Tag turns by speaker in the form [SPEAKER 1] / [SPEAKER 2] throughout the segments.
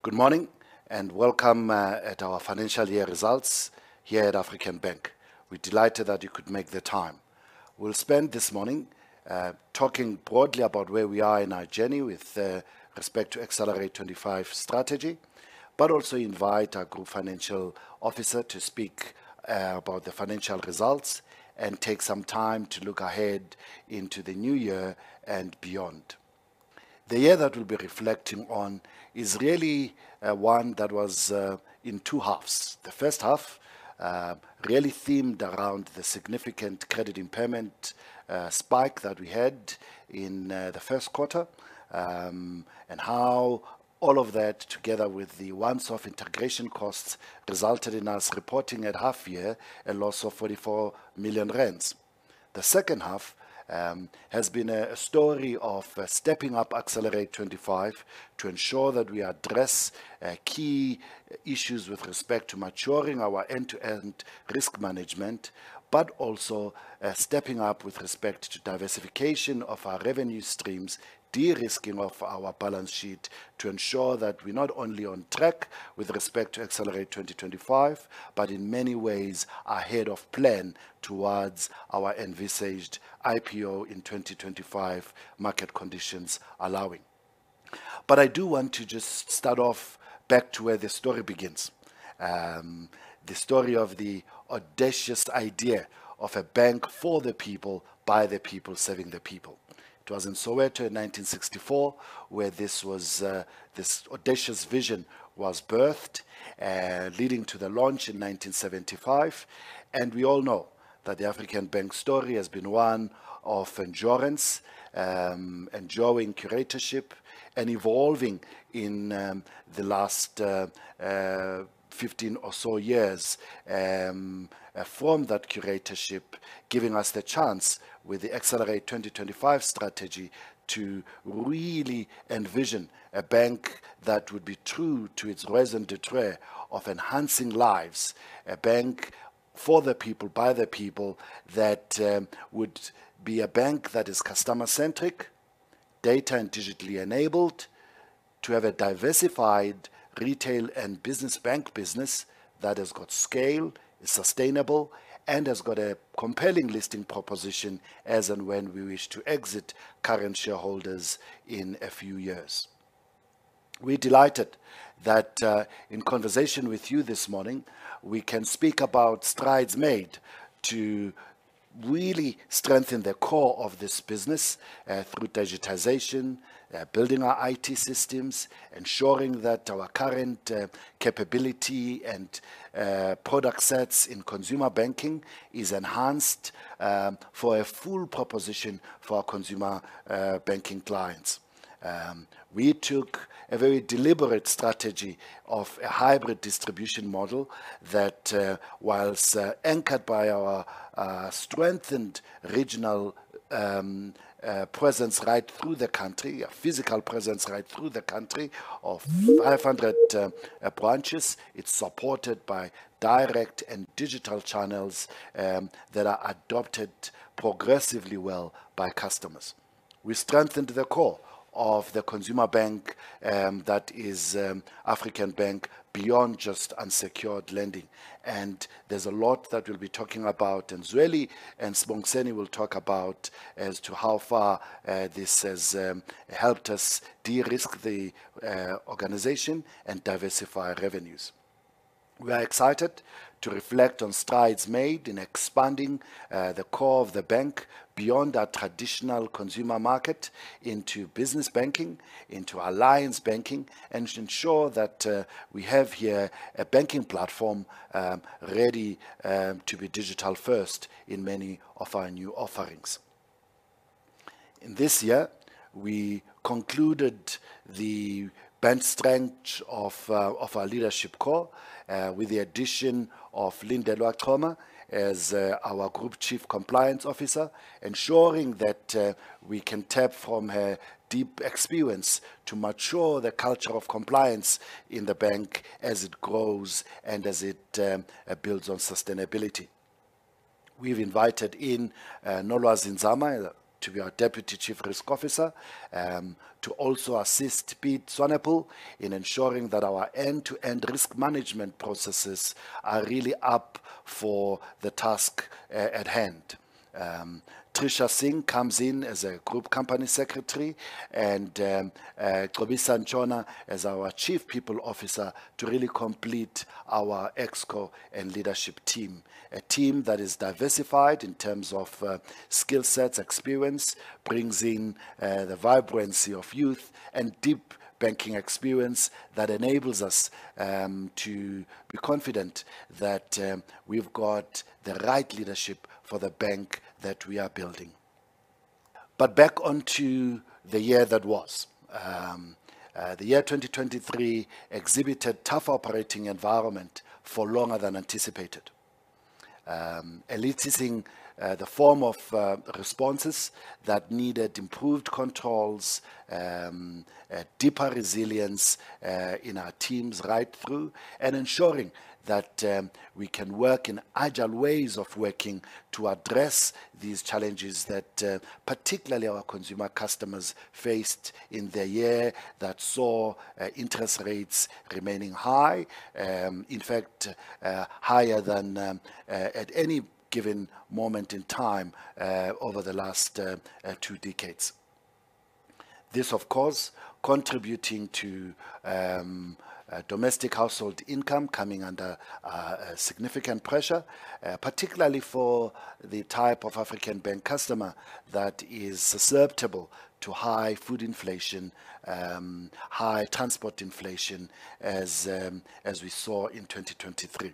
[SPEAKER 1] Good morning, and welcome at our financial year results here at African Bank. We're delighted that you could make the time. We'll spend this morning talking broadly about where we are in our journey with respect to Excelerate25 strategy, but also invite our group financial officer to speak about the financial results and take some time to look ahead into the new year and beyond. The year that we'll be reflecting on is really one that was in two halves. The first half really themed around the significant credit impairment spike that we had in the first quarter. And how all of that, together with the once-off integration costs, resulted in us reporting at half year a loss of 44 million rand. The second half has been a story of stepping up Excelerate25 to ensure that we address key issues with respect to maturing our end-to-end risk management, but also stepping up with respect to diversification of our revenue streams, de-risking of our balance sheet to ensure that we're not only on track with respect to Excelerate 2025, but in many ways ahead of plan towards our envisaged IPO in 2025, market conditions allowing. But I do want to just start off back to where the story begins. The story of the audacious idea of a bank for the people, by the people, serving the people. It was in Soweto in 1964, where this audacious vision was birthed, leading to the launch in 1975. We all know that the African Bank story has been one of endurance, enduring curatorship, and evolving in the last 15 or so years. From that curatorship giving us the chance with the Excelerate 2025 strategy to really envision a bank that would be true to its raison d'être of enhancing lives. A bank for the people, by the people, that would be a bank that is customer-centric, data and digitally enabled, to have a diversified retail and business bank business that has got scale, is sustainable, and has got a compelling listing proposition as and when we wish to exit current shareholders in a few years. We're delighted that, in conversation with you this morning, we can speak about strides made to really strengthen the core of this business, through digitization, building our IT systems, ensuring that our current, capability and, product sets in consumer banking is enhanced, for a full proposition for our consumer, banking clients. We took a very deliberate strategy of a hybrid distribution model that, whilst, anchored by our, strengthened regional, presence right through the country, a physical presence right through the country of 500 branches, it's supported by direct and digital channels, that are adopted progressively well by customers. We strengthened the core of the consumer bank, that is, African Bank, beyond just unsecured lending, and there's a lot that we'll be talking about. Zweli and Sibongiseni will talk about as to how far this has helped us de-risk the organization and diversify our revenues. We are excited to reflect on strides made in expanding the core of the bank beyond our traditional consumer market, into business banking, into alliance banking, and ensure that we have here a banking platform ready to be digital first in many of our new offerings. In this year, we concluded the bench strength of our leadership core with the addition of Lindi Choma as our Group Chief Compliance Officer, ensuring that we can tap from her deep experience to mature the culture of compliance in the bank as it grows and as it builds on sustainability. We've invited in, Nolwazi Nzama to be our Deputy Chief Risk Officer, to also assist Piet Swanepoel in ensuring that our end-to-end risk management processes are really up for the task at hand. Trisha Singh comes in as a Group Company Secretary and Gcobisa Ntshona as our Chief People Officer, to really complete our ExCo and leadership team. A team that is diversified in terms of skill sets, experience, brings in the vibrancy of youth and deep banking experience that enables us to be confident that we've got the right leadership for the bank that we are building. But back onto the year that was. The year 2023 exhibited tough operating environment for longer than anticipated. Eliciting the form of responses that needed improved controls, a deeper resilience in our teams right through, and ensuring that we can work in agile ways of working to address these challenges that particularly our consumer customers faced in the year that saw interest rates remaining high, in fact, higher than at any given moment in time over the last two decades. This, of course, contributing to domestic household income coming under significant pressure, particularly for the type of African Bank customer that is susceptible to high food inflation, high transport inflation, as we saw in 2023.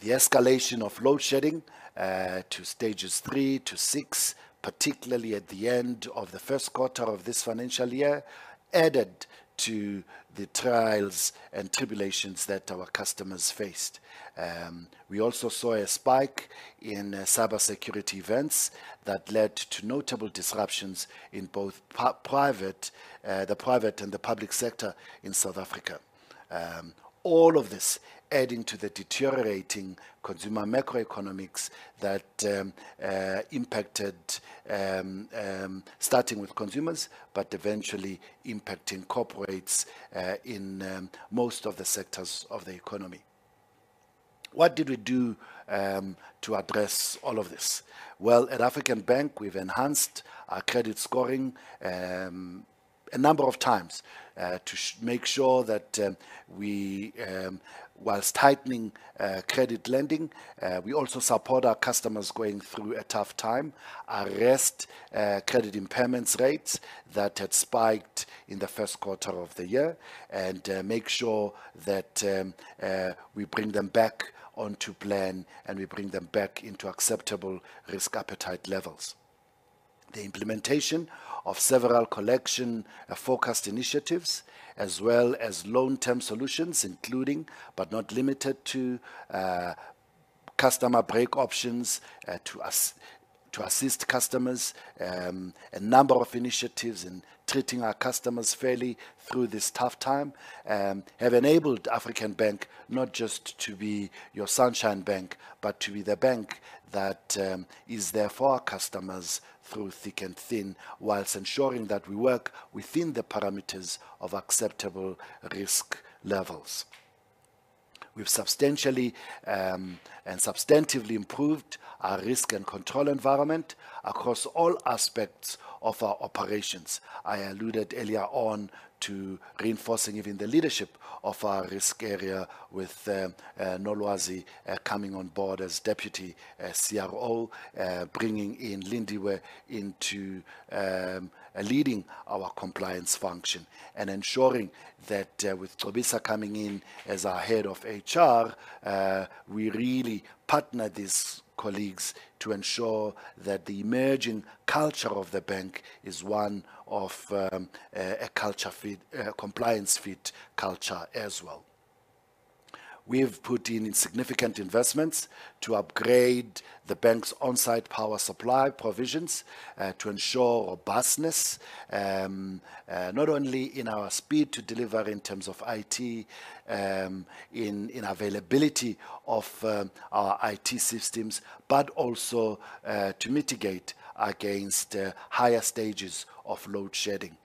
[SPEAKER 1] The escalation of load shedding to stages three to six, particularly at the end of the first quarter of this financial year, added to the trials and tribulations that our customers faced. We also saw a spike in cybersecurity events that led to notable disruptions in both the private and the public sector in South Africa. All of this adding to the deteriorating consumer macroeconomics that impacted starting with consumers, but eventually impacting corporates in most of the sectors of the economy. What did we do to address all of this? Well, at African Bank, we've enhanced our credit scoring a number of times to make sure that we while tightening credit lending we also support our customers going through a tough time. Arrest credit impairments rates that had spiked in the first quarter of the year and make sure that we bring them back onto plan, and we bring them back into acceptable risk appetite levels. The implementation of several collection forecast initiatives, as well as long-term solutions, including but not limited to, customer break options to assist customers. A number of initiatives in treating our customers fairly through this tough time have enabled African Bank not just to be your sunshine bank, but to be the bank that is there for our customers through thick and thin, whilst ensuring that we work within the parameters of acceptable risk levels. We've substantially and substantively improved our risk and control environment across all aspects of our operations. I alluded earlier on to reinforcing even the leadership of our risk area with Nolwazi coming on board as Deputy CRO, bringing in Lindi into leading our compliance function and ensuring that with Gcobisa coming in as our head of HR, we really partner these colleagues to ensure that the emerging culture of the bank is one of a culture fit, compliance fit culture as well. We have put in significant investments to upgrade the bank's on-site power supply provisions to ensure robustness, not only in our speed to deliver in terms of IT, in availability of our IT systems, but also to mitigate against higher stages of load shedding.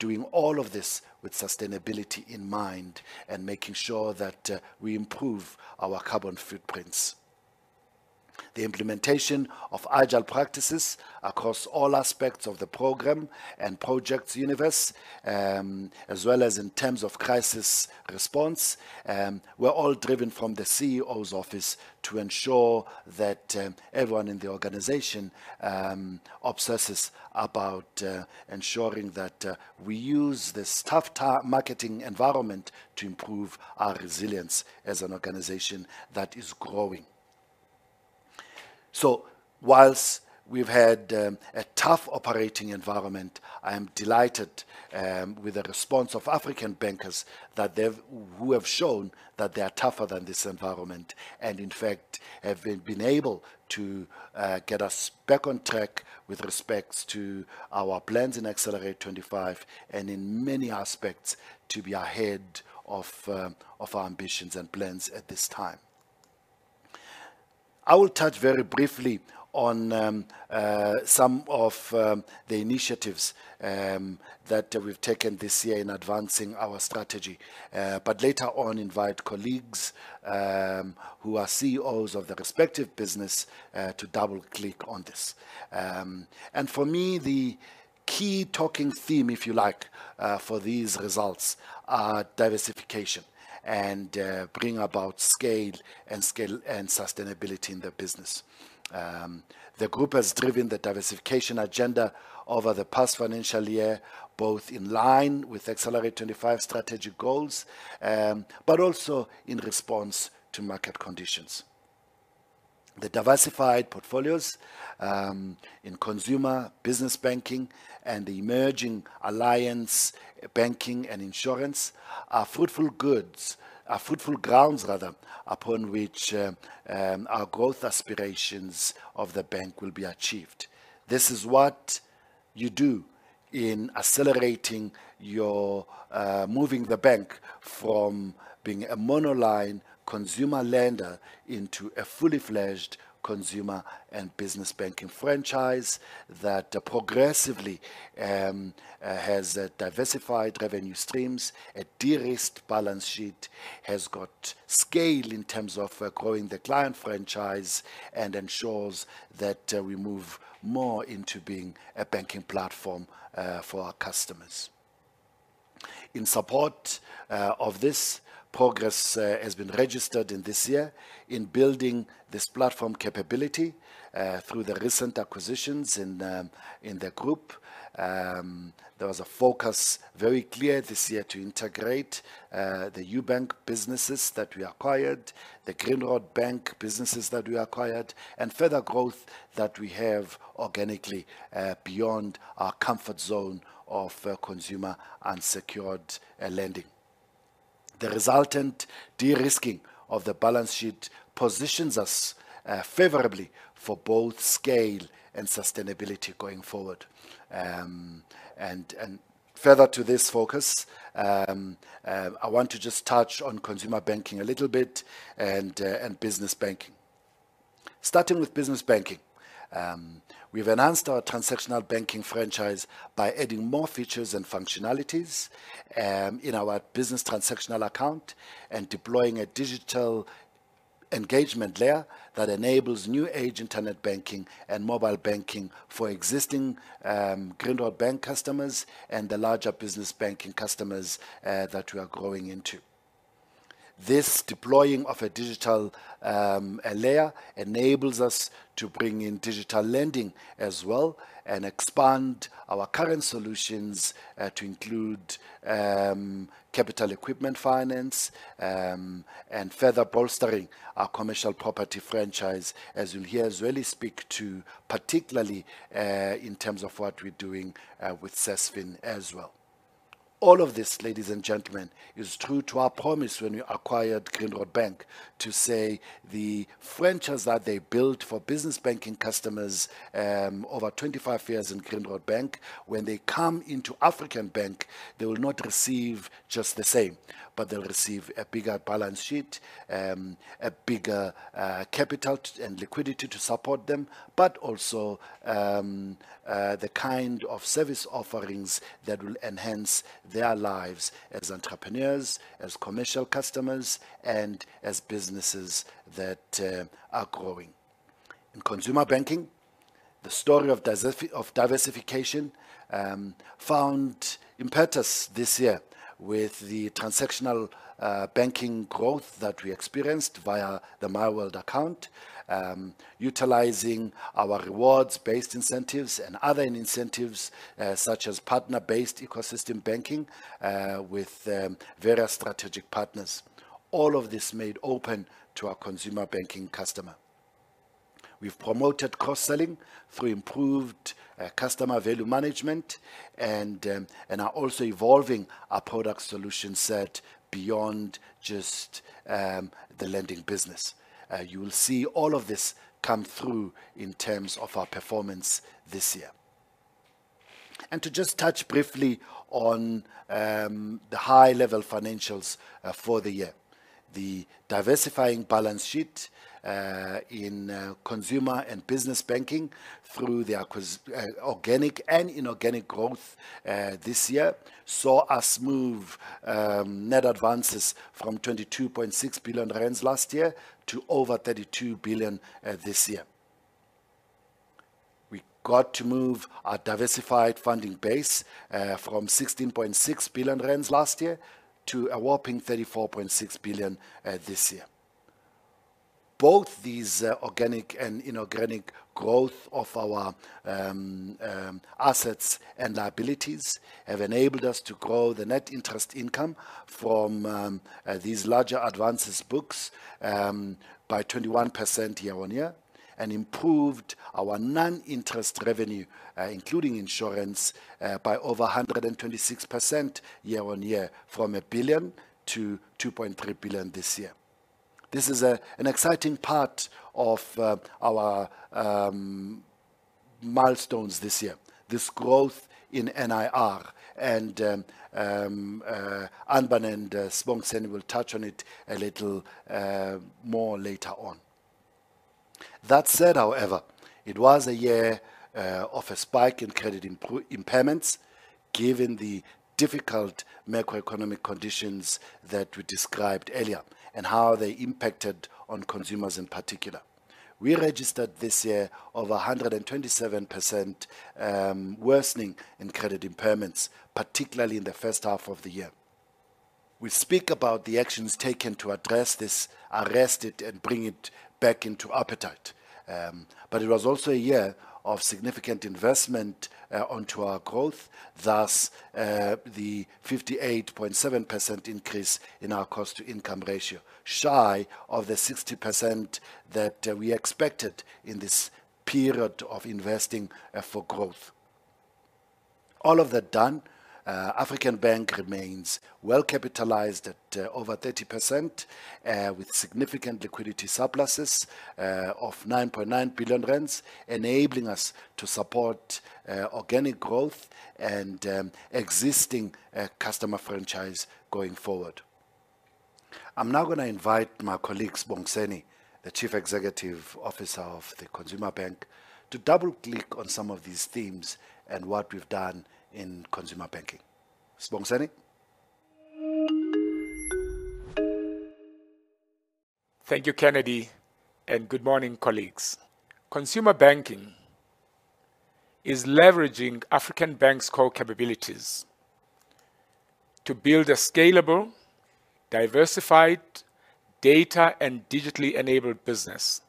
[SPEAKER 1] Doing all of this with sustainability in mind and making sure that we improve our carbon footprints. The implementation of agile practices across all aspects of the program and projects universe, as well as in terms of crisis response, were all driven from the CEO's office to ensure that everyone in the organization obsesses about ensuring that we use this tough time marketing environment to improve our resilience as an organization that is growing. So while we've had a tough operating environment, I am delighted with the response of African bankers that they have shown that they are tougher than this environment and in fact, have been able to get us back on track with respect to our plans in Excelerate25 and in many aspects, to be ahead of our ambitions and plans at this time. I will touch very briefly on some of the initiatives that we've taken this year in advancing our strategy. But later on, invite colleagues who are CEOs of the respective business to double-click on this. For me, the key talking theme, if you like, for these results are diversification and bringing about scale and scale and sustainability in the business. The group has driven the diversification agenda over the past financial year, both in line with Excelerate25 strategic goals, but also in response to market conditions. The diversified portfolios in consumer business banking and the emerging alliance banking and insurance are fruitful goods- are fruitful grounds rather, upon which our growth aspirations of the bank will be achieved. This is what you do in accelerating your moving the bank from being a monoline consumer lender into a fully fledged consumer and business banking franchise that progressively has diversified revenue streams, a de-risked balance sheet, has got scale in terms of growing the client franchise, and ensures that we move more into being a banking platform for our customers. In support of this progress has been registered in this year in building this platform capability through the recent acquisitions in in the group. There was a focus very clear this year to integrate the Ubank businesses that we acquired, the Grindrod Bank businesses that we acquired, and further growth that we have organically beyond our comfort zone of consumer unsecured lending. The resultant de-risking of the balance sheet positions us favorably for both scale and sustainability going forward. And further to this focus, I want to just touch on consumer banking a little bit and business banking. Starting with business banking. We've enhanced our transactional banking franchise by adding more features and functionalities in our business transactional account and deploying a digital engagement layer that enables new age internet banking and mobile banking for existing Grindrod Bank customers and the larger business banking customers that we are growing into. This deploying of a digital layer enables us to bring in digital lending as well and expand our current solutions to include Capital Equipment Finance and further bolstering our commercial property franchise, as you'll hear Zweli speak to, particularly in terms of what we're doing with Sasfin as well. All of this, ladies and gentlemen, is true to our promise when we acquired Grindrod Bank, to say the franchise that they built for business banking customers over 25 years in Grindrod Bank, when they come into African Bank, they will not receive just the same, but they'll receive a bigger balance sheet, a bigger capital and liquidity to support them, but also the kind of service offerings that will enhance their lives as entrepreneurs, as commercial customers, and as businesses that are growing. In consumer banking, the story of diversification found impetus this year with the transactional banking growth that we experienced via the MyWORLD account. Utilizing our rewards-based incentives and other incentives, such as partner-based ecosystem banking, with various strategic partners. All of this made open to our consumer banking customer. We've promoted cross-selling through improved customer value management and are also evolving our product solution set beyond just the lending business. You will see all of this come through in terms of our performance this year. And to just touch briefly on the high-level financials for the year. The diversifying balance sheet in consumer and business banking through organic and inorganic growth this year saw us move net advances from 22.6 billion rand last year to over 32 billion this year. We got to move our diversified funding base from 16.6 billion rand last year to a whopping 34.6 billion this year. Both these organic and inorganic growth of our assets and liabilities have enabled us to grow the net interest income from these larger advances books by 21% year-on-year, and improved our non-interest revenue including insurance by over 126% year-on-year, from 1 billion to 2.3 billion this year. This is an exciting part of our milestones this year, this growth in NIR and Anbann and Sibongiseni will touch on it a little more later on. That said, however, it was a year of a spike in credit impairments, given the difficult macroeconomic conditions that we described earlier and how they impacted on consumers in particular. We registered this year over 127% worsening in credit impairments, particularly in the first half of the year. We speak about the actions taken to address this, arrest it, and bring it back into appetite. But it was also a year of significant investment onto our growth, thus the 58.7% increase in our cost-to-income ratio, shy of the 60% that we expected in this period of investing for growth. All of that done, African Bank remains well capitalized at over 30%, with significant liquidity surpluses of 9.9 billion rand, enabling us to support organic growth and existing customer franchise going forward. I'm now gonna invite my colleague, Sibongiseni, the Chief Executive Officer of the Consumer Bank, to double-click on some of these themes and what we've done in consumer banking. Sibongiseni?
[SPEAKER 2] Thank you, Kennedy, and good morning, colleagues. Consumer banking is leveraging African Bank's core capabilities to build a scalable, diversified data and digitally enabled business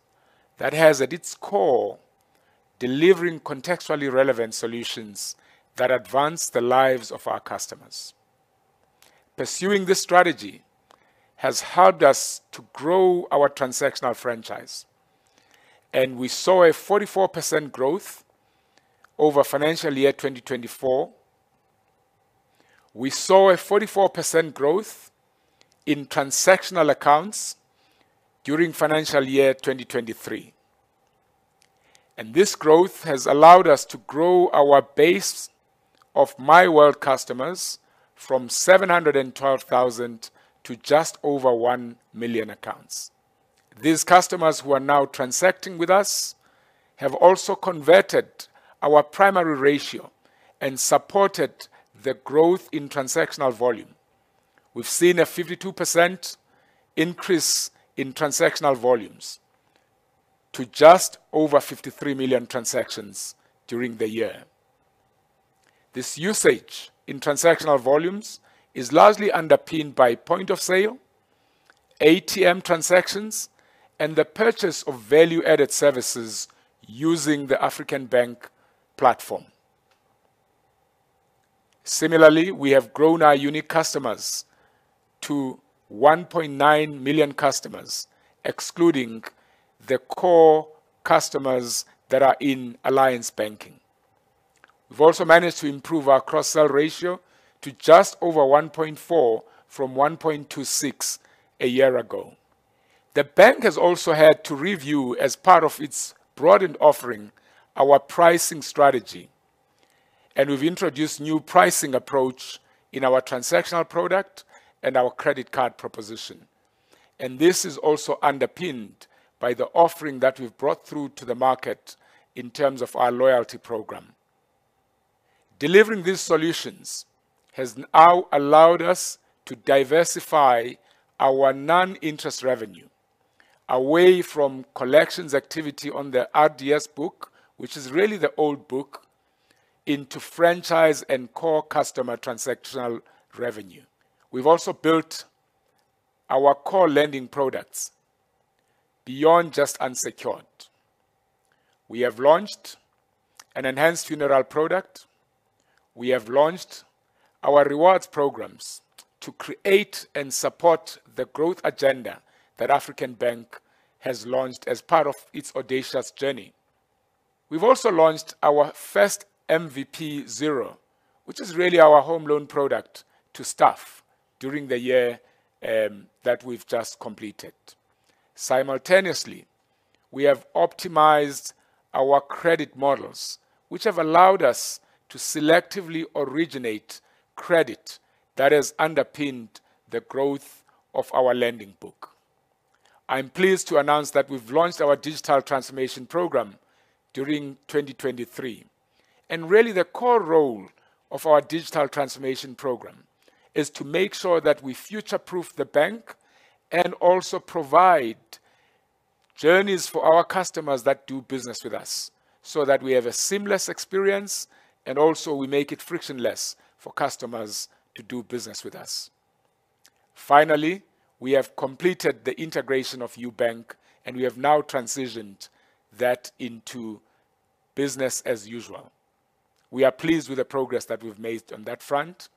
[SPEAKER 2] that has, at its core, delivering contextually relevant solutions that advance the lives of our customers. Pursuing this strategy has helped us to grow our transactional franchise, and we saw a 44% growth over financial year 2024. We saw a 44% growth in transactional accounts during financial year 2023. This growth has allowed us to grow our base of MyWORLD customers from 712,000 to just over 1 million accounts. These customers who are now transacting with us have also converted our primary ratio and supported the growth in transactional volume. We've seen a 52% increase in transactional volumes to just over 53 million transactions during the year. This usage in transactional volumes is largely underpinned by point of sale, ATM transactions, and the purchase of value-added services using the African Bank platform. Similarly, we have grown our unique customers to 1.9 million customers, excluding the core customers that are in alliance banking. We've also managed to improve our cross-sell ratio to just over 1.4 from 1.26 a year ago. The bank has also had to review, as part of its broadened offering, our pricing strategy, and we've introduced new pricing approach in our transactional product and our credit card proposition. This is also underpinned by the offering that we've brought through to the market in terms of our loyalty program. Delivering these solutions has now allowed us to diversify our non-interest revenue away from collections activity on the RDS book, which is really the old book, into franchise and core customer transactional revenue. We've also built our core lending products beyond just unsecured. We have launched an enhanced funeral product. We have launched our rewards programs to create and support the growth agenda that African Bank has launched as part of its audacious journey. We've also launched our first MVP Zero, which is really our home loan product, to staff during the year that we've just completed. Simultaneously, we have optimized our credit models, which have allowed us to selectively originate credit that has underpinned the growth of our lending book. I'm pleased to announce that we've launched our digital transformation program during 2023, and really, the core role of our digital transformation program is to make sure that we future-proof the bank and also provide journeys for our customers that do business with us so that we have a seamless experience, and also we make it frictionless for customers to do business with us. Finally, we have completed the integration of Ubank, and we have now transitioned that into business as usual. We are pleased with the progress that we've made on that front.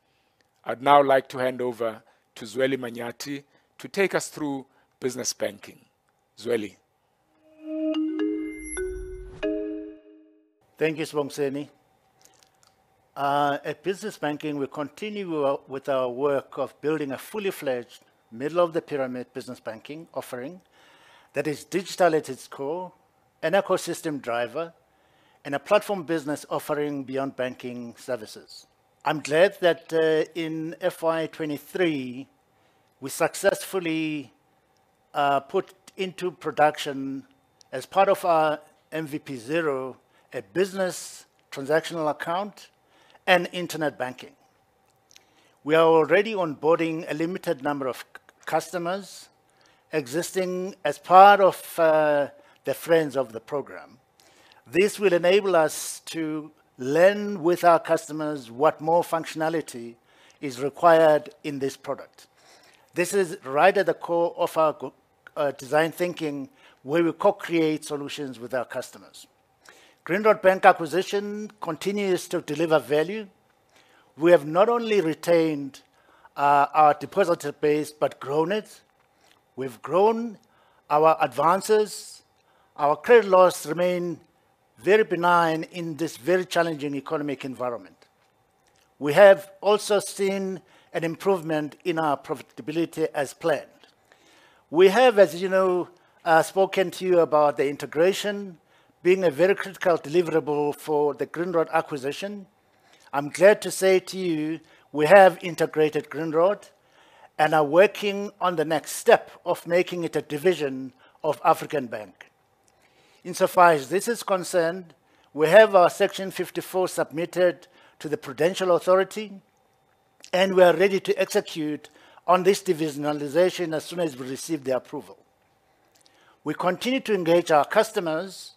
[SPEAKER 2] I'd now like to hand over to Zweli Manyathi to take us through business banking. Zweli?
[SPEAKER 3] Thank you, Sibongiseni. At business banking, we continue with our work of building a fully fledged middle-of-the-pyramid business banking offering that is digital at its core, an ecosystem driver, and a platform business offering beyond banking services. I'm glad that in FY 2023, we successfully put into production, as part of our MVP Zero, a business transactional account and internet banking. We are already onboarding a limited number of customers existing as part of the friends of the program. This will enable us to learn with our customers what more functionality is required in this product. This is right at the core of our design thinking, where we co-create solutions with our customers. Grindrod Bank acquisition continues to deliver value. We have not only retained our deposit base but grown it. We've grown our advances. Our credit losses remain very benign in this very challenging economic environment. We have also seen an improvement in our profitability as planned. We have, as you know, spoken to you about the integration being a very critical deliverable for the Grindrod acquisition. I'm glad to say to you, we have integrated Grindrod and are working on the next step of making it a division of African Bank. Insofar as this is concerned, we have our Section 54 submitted to the Prudential Authority, and we are ready to execute on this divisionalization as soon as I receive the approval. We continue to engage our customers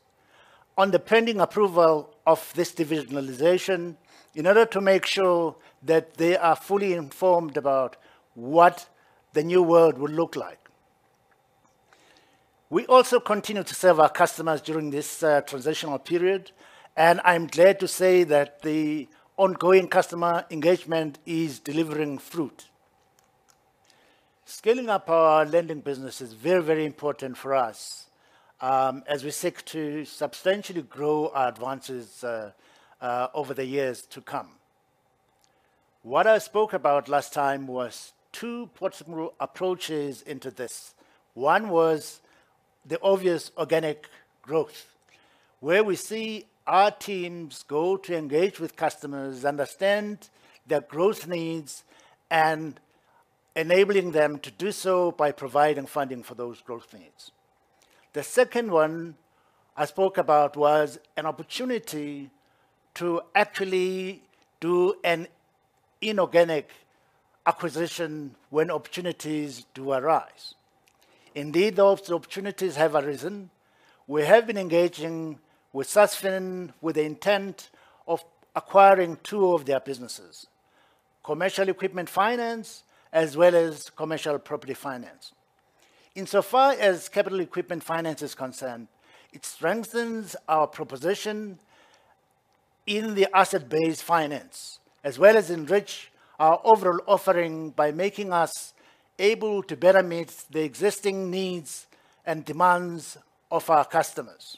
[SPEAKER 3] on the pending approval of this divisionalization in order to make sure that they are fully informed about what the new world will look like. We also continue to serve our customers during this transitional period, and I'm glad to say that the ongoing customer engagement is delivering fruit. Scaling up our lending business is very, very important for us, as we seek to substantially grow our advances over the years to come. What I spoke about last time was two possible approaches into this. One was the obvious organic growth, where we see our teams go to engage with customers, understand their growth needs, and enabling them to do so by providing funding for those growth needs. The second one I spoke about was an opportunity to actually do an inorganic acquisition when opportunities do arise. Indeed, those opportunities have arisen. We have been engaging with Sasfin with the intent of acquiring two of their businesses: Commercial Equipment Finance, as well as Commercial Property Finance. Insofar as Capital Equipment Finance is concerned, it strengthens our proposition in the asset-based finance, as well as enrich our overall offering by making us able to better meet the existing needs and demands of our customers.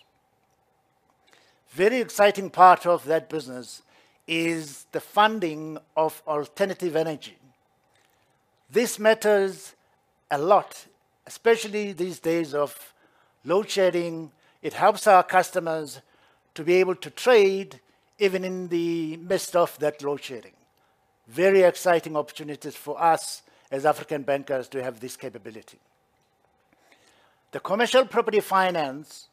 [SPEAKER 3] Very exciting part of that business is the funding of alternative energy. This matters a lot, especially these days of load shedding. It helps our customers to be able to trade even in the midst of that load shedding. Very exciting opportunities for us as African Bankers to have this capability. The Commercial Property Finance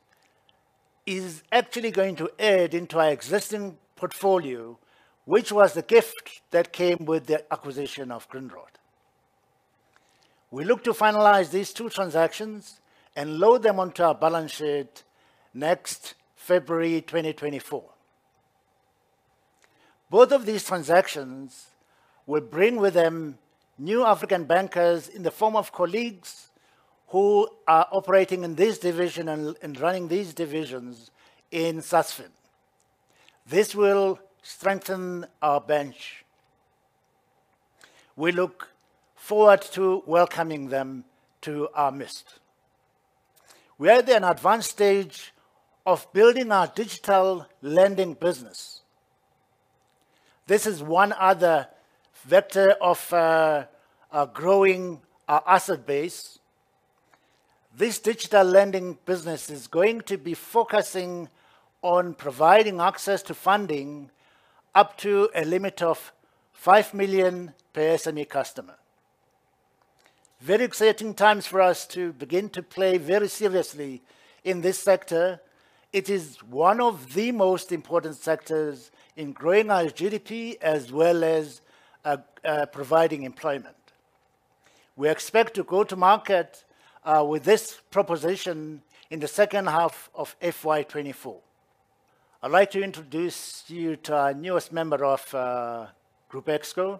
[SPEAKER 3] is actually going to add into our existing portfolio, which was the gift that came with the acquisition of Grindrod. We look to finalize these two transactions and load them onto our balance sheet next February 2024. Both of these transactions will bring with them new African bankers in the form of colleagues who are operating in this division and, and running these divisions in Sasfin. This will strengthen our bench. We look forward to welcoming them to our midst. We are at an advanced stage of building our digital lending business. This is one other vector of growing our asset base. This digital lending business is going to be focusing on providing access to funding up to a limit of 5 million per SME customer. Very exciting times for us to begin to play very seriously in this sector. It is one of the most important sectors in growing our GDP as well as providing employment. We expect to go to market with this proposition in the second half of FY 2024. I'd like to introduce you to our newest member of Group ExCo,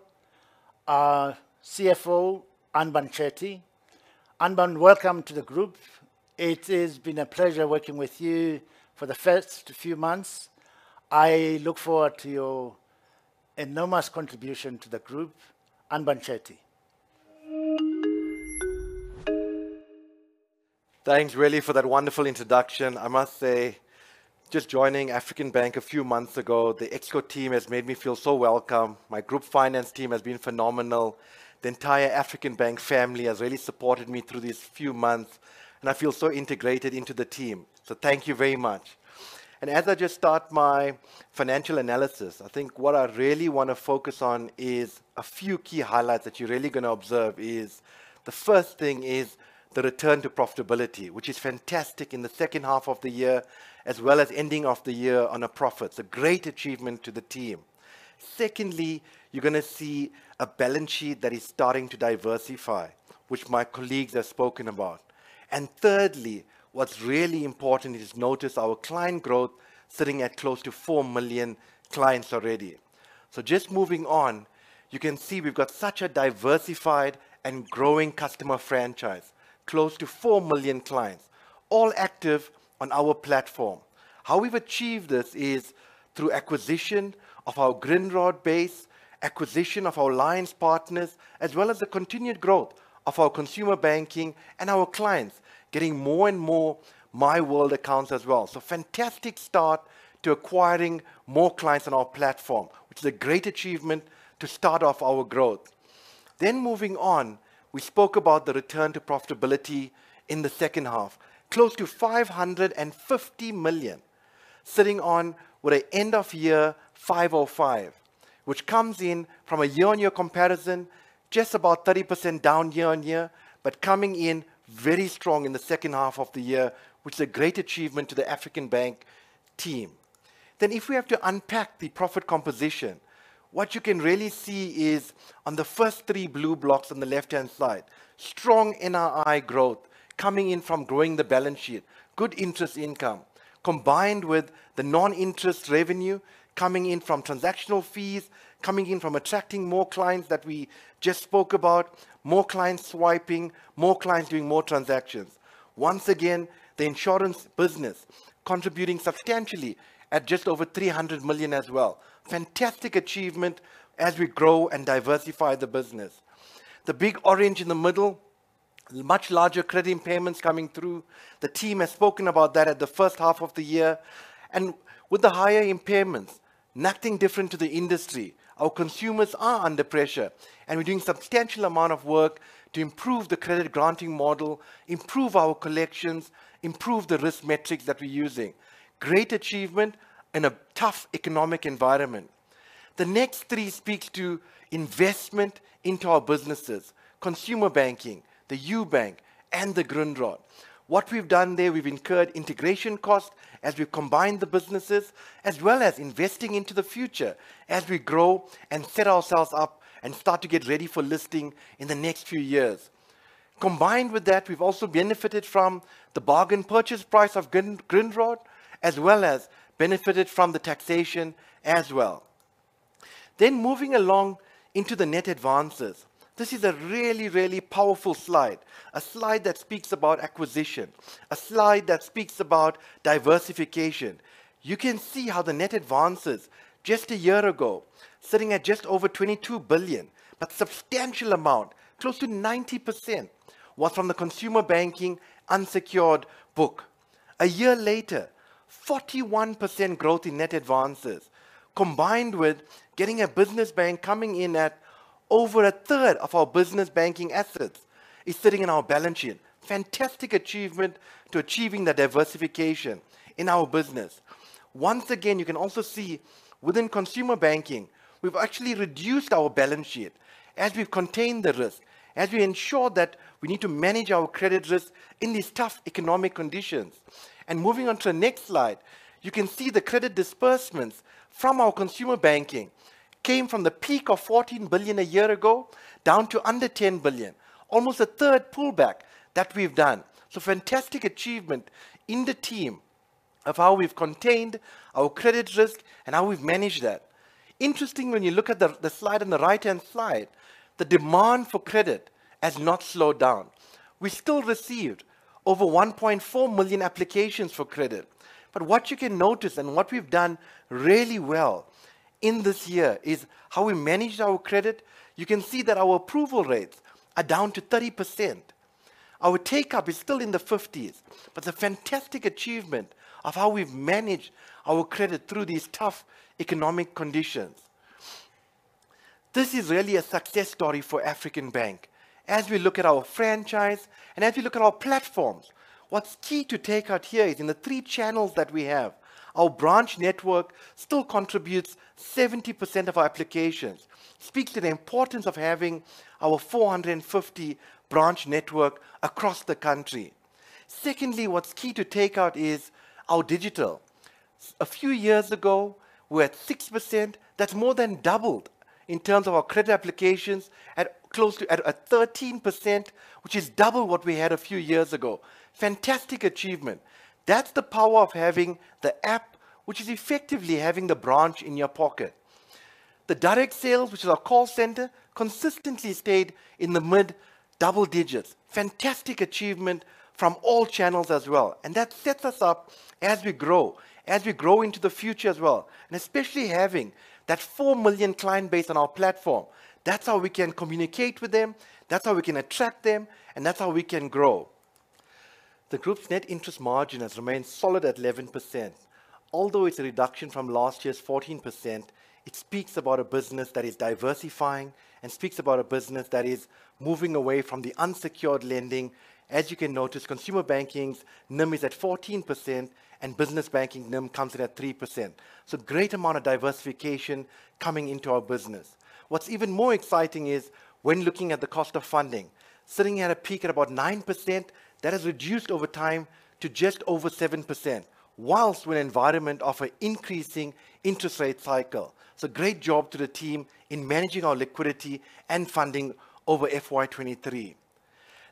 [SPEAKER 3] our CFO, Anbann Chetty. Anbann, welcome to the group. It has been a pleasure working with you for the first few months. I look forward to your enormous contribution to the group. Anbann Chetty.
[SPEAKER 4] Thanks really for that wonderful introduction. I must say, just joining African Bank a few months ago, the ExCo team has made me feel so welcome. My group finance team has been phenomenal. The entire African Bank family has really supported me through these few months, and I feel so integrated into the team. So thank you very much. As I just start my financial analysis, I think what I really want to focus on is a few key highlights that you're really gonna observe is... The first thing is the return to profitability, which is fantastic in the second half of the year, as well as ending off the year on a profit. It's a great achievement to the team. Secondly, you're gonna see a balance sheet that is starting to diversify, which my colleagues have spoken about. Thirdly, what's really important is notice our client growth sitting at close to 4 million clients already. So just moving on, you can see we've got such a diversified and growing customer franchise, close to 4 million clients, all active on our platform. How we've achieved this is through acquisition of our Grindrod base, acquisition of our alliance partners, as well as the continued growth of our consumer banking and our clients getting more and more MyWORLD accounts as well. So fantastic start to acquiring more clients on our platform, which is a great achievement to start off our growth. Then moving on, we spoke about the return to profitability in the second half. Close to 550 million, sitting on with an end-of-year 505, which comes in from a year-on-year comparison, just about 30% down year-on-year, but coming in very strong in the second half of the year, which is a great achievement to the African Bank team. Then if we have to unpack the profit composition, what you can really see is on the first three blue blocks on the left-hand side, strong NII growth coming in from growing the balance sheet. Good interest income, combined with the non-interest revenue coming in from transactional fees, coming in from attracting more clients that we just spoke about, more clients swiping, more clients doing more transactions. Once again, the insurance business contributing substantially at just over 300 million as well. Fantastic achievement as we grow and diversify the business. The big orange in the middle, much larger credit impairments coming through. The team has spoken about that at the first half of the year. With the higher impairments, nothing different to the industry. Our consumers are under pressure, and we're doing substantial amount of work to improve the credit granting model, improve our collections, improve the risk metrics that we're using. Great achievement in a tough economic environment. The next three speaks to investment into our businesses, consumer banking, the Ubank, and the Grindrod. What we've done there, we've incurred integration costs as we've combined the businesses, as well as investing into the future as we grow and set ourselves up and start to get ready for listing in the next few years. Combined with that, we've also benefited from the bargain purchase price of Grindrod, as well as benefited from the taxation as well. Then moving along into the net advances. This is a really, really powerful slide, a slide that speaks about acquisition, a slide that speaks about diversification. You can see how the net advances just a year ago, sitting at just over 22 billion, but substantial amount, close to 90%, was from the consumer banking unsecured book. A year later, 41% growth in net advances, combined with getting a business bank coming in at over a third of our business banking assets is sitting in our balance sheet. Fantastic achievement to achieving the diversification in our business. Once again, you can also see within consumer banking, we've actually reduced our balance sheet as we've contained the risk, as we ensure that we need to manage our credit risk in these tough economic conditions. And moving on to the next slide, you can see the credit disbursements from our consumer banking came from the peak of 14 billion a year ago, down to under 10 billion, almost a third pullback that we've done. So fantastic achievement in the team of how we've contained our credit risk and how we've managed that. Interesting, when you look at the slide on the right-hand side, the demand for credit has not slowed down. We still received over 1.4 million applications for credit. But what you can notice and what we've done really well in this year is how we managed our credit. You can see that our approval rates are down to 30%. Our take-up is still in the 50s, but the fantastic achievement of how we've managed our credit through these tough economic conditions. This is really a success story for African Bank. As we look at our franchise and as we look at our platforms, what's key to take out here is in the three channels that we have, our branch network still contributes 70% of our applications. Speaks to the importance of having our 450 branch network across the country. Secondly, what's key to take out is our digital. A few years ago, we were at 6%. That's more than doubled in terms of our credit applications at 13%, which is double what we had a few years ago. Fantastic achievement. That's the power of having the app, which is effectively having the branch in your pocket. The direct sales, which is our call center, consistently stayed in the mid-double digits. Fantastic achievement from all channels as well, and that sets us up as we grow, as we grow into the future as well, and especially having that 4 million client base on our platform. That's how we can communicate with them, that's how we can attract them, and that's how we can grow. The group's net interest margin has remained solid at 11%. Although it's a reduction from last year's 14%, it speaks about a business that is diversifying and speaks about a business that is moving away from the unsecured lending. As you can notice, consumer banking's NIM is at 14% and business banking NIM comes in at 3%. So great amount of diversification coming into our business. What's even more exciting is when looking at the cost of funding. Sitting at a peak at about 9%, that has reduced over time to just over 7%, while we're in an environment of an increasing interest rate cycle. So great job to the team in managing our liquidity and funding over FY 2023.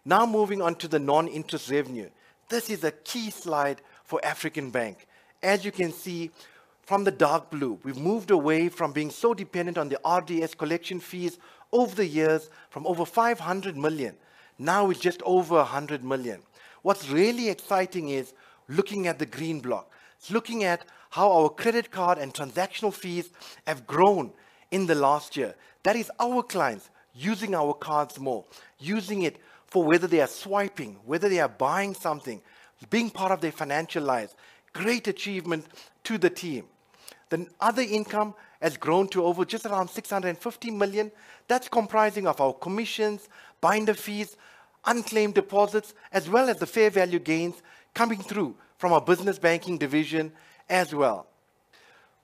[SPEAKER 4] Now moving on to the non-interest revenue. This is a key slide for African Bank. As you can see from the dark blue, we've moved away from being so dependent on the RDS collection fees over the years from over 500 million. Now it's just over 100 million. What's really exciting is looking at the green block. It's looking at how our credit card and transactional fees have grown in the last year. That is our clients using our cards more, using it for whether they are swiping, whether they are buying something, being part of their financial lives. Great achievement to the team. The other income has grown to over just around 650 million. That's comprising of our commissions, binder fees, unclaimed deposits, as well as the fair value gains coming through from our business banking division as well.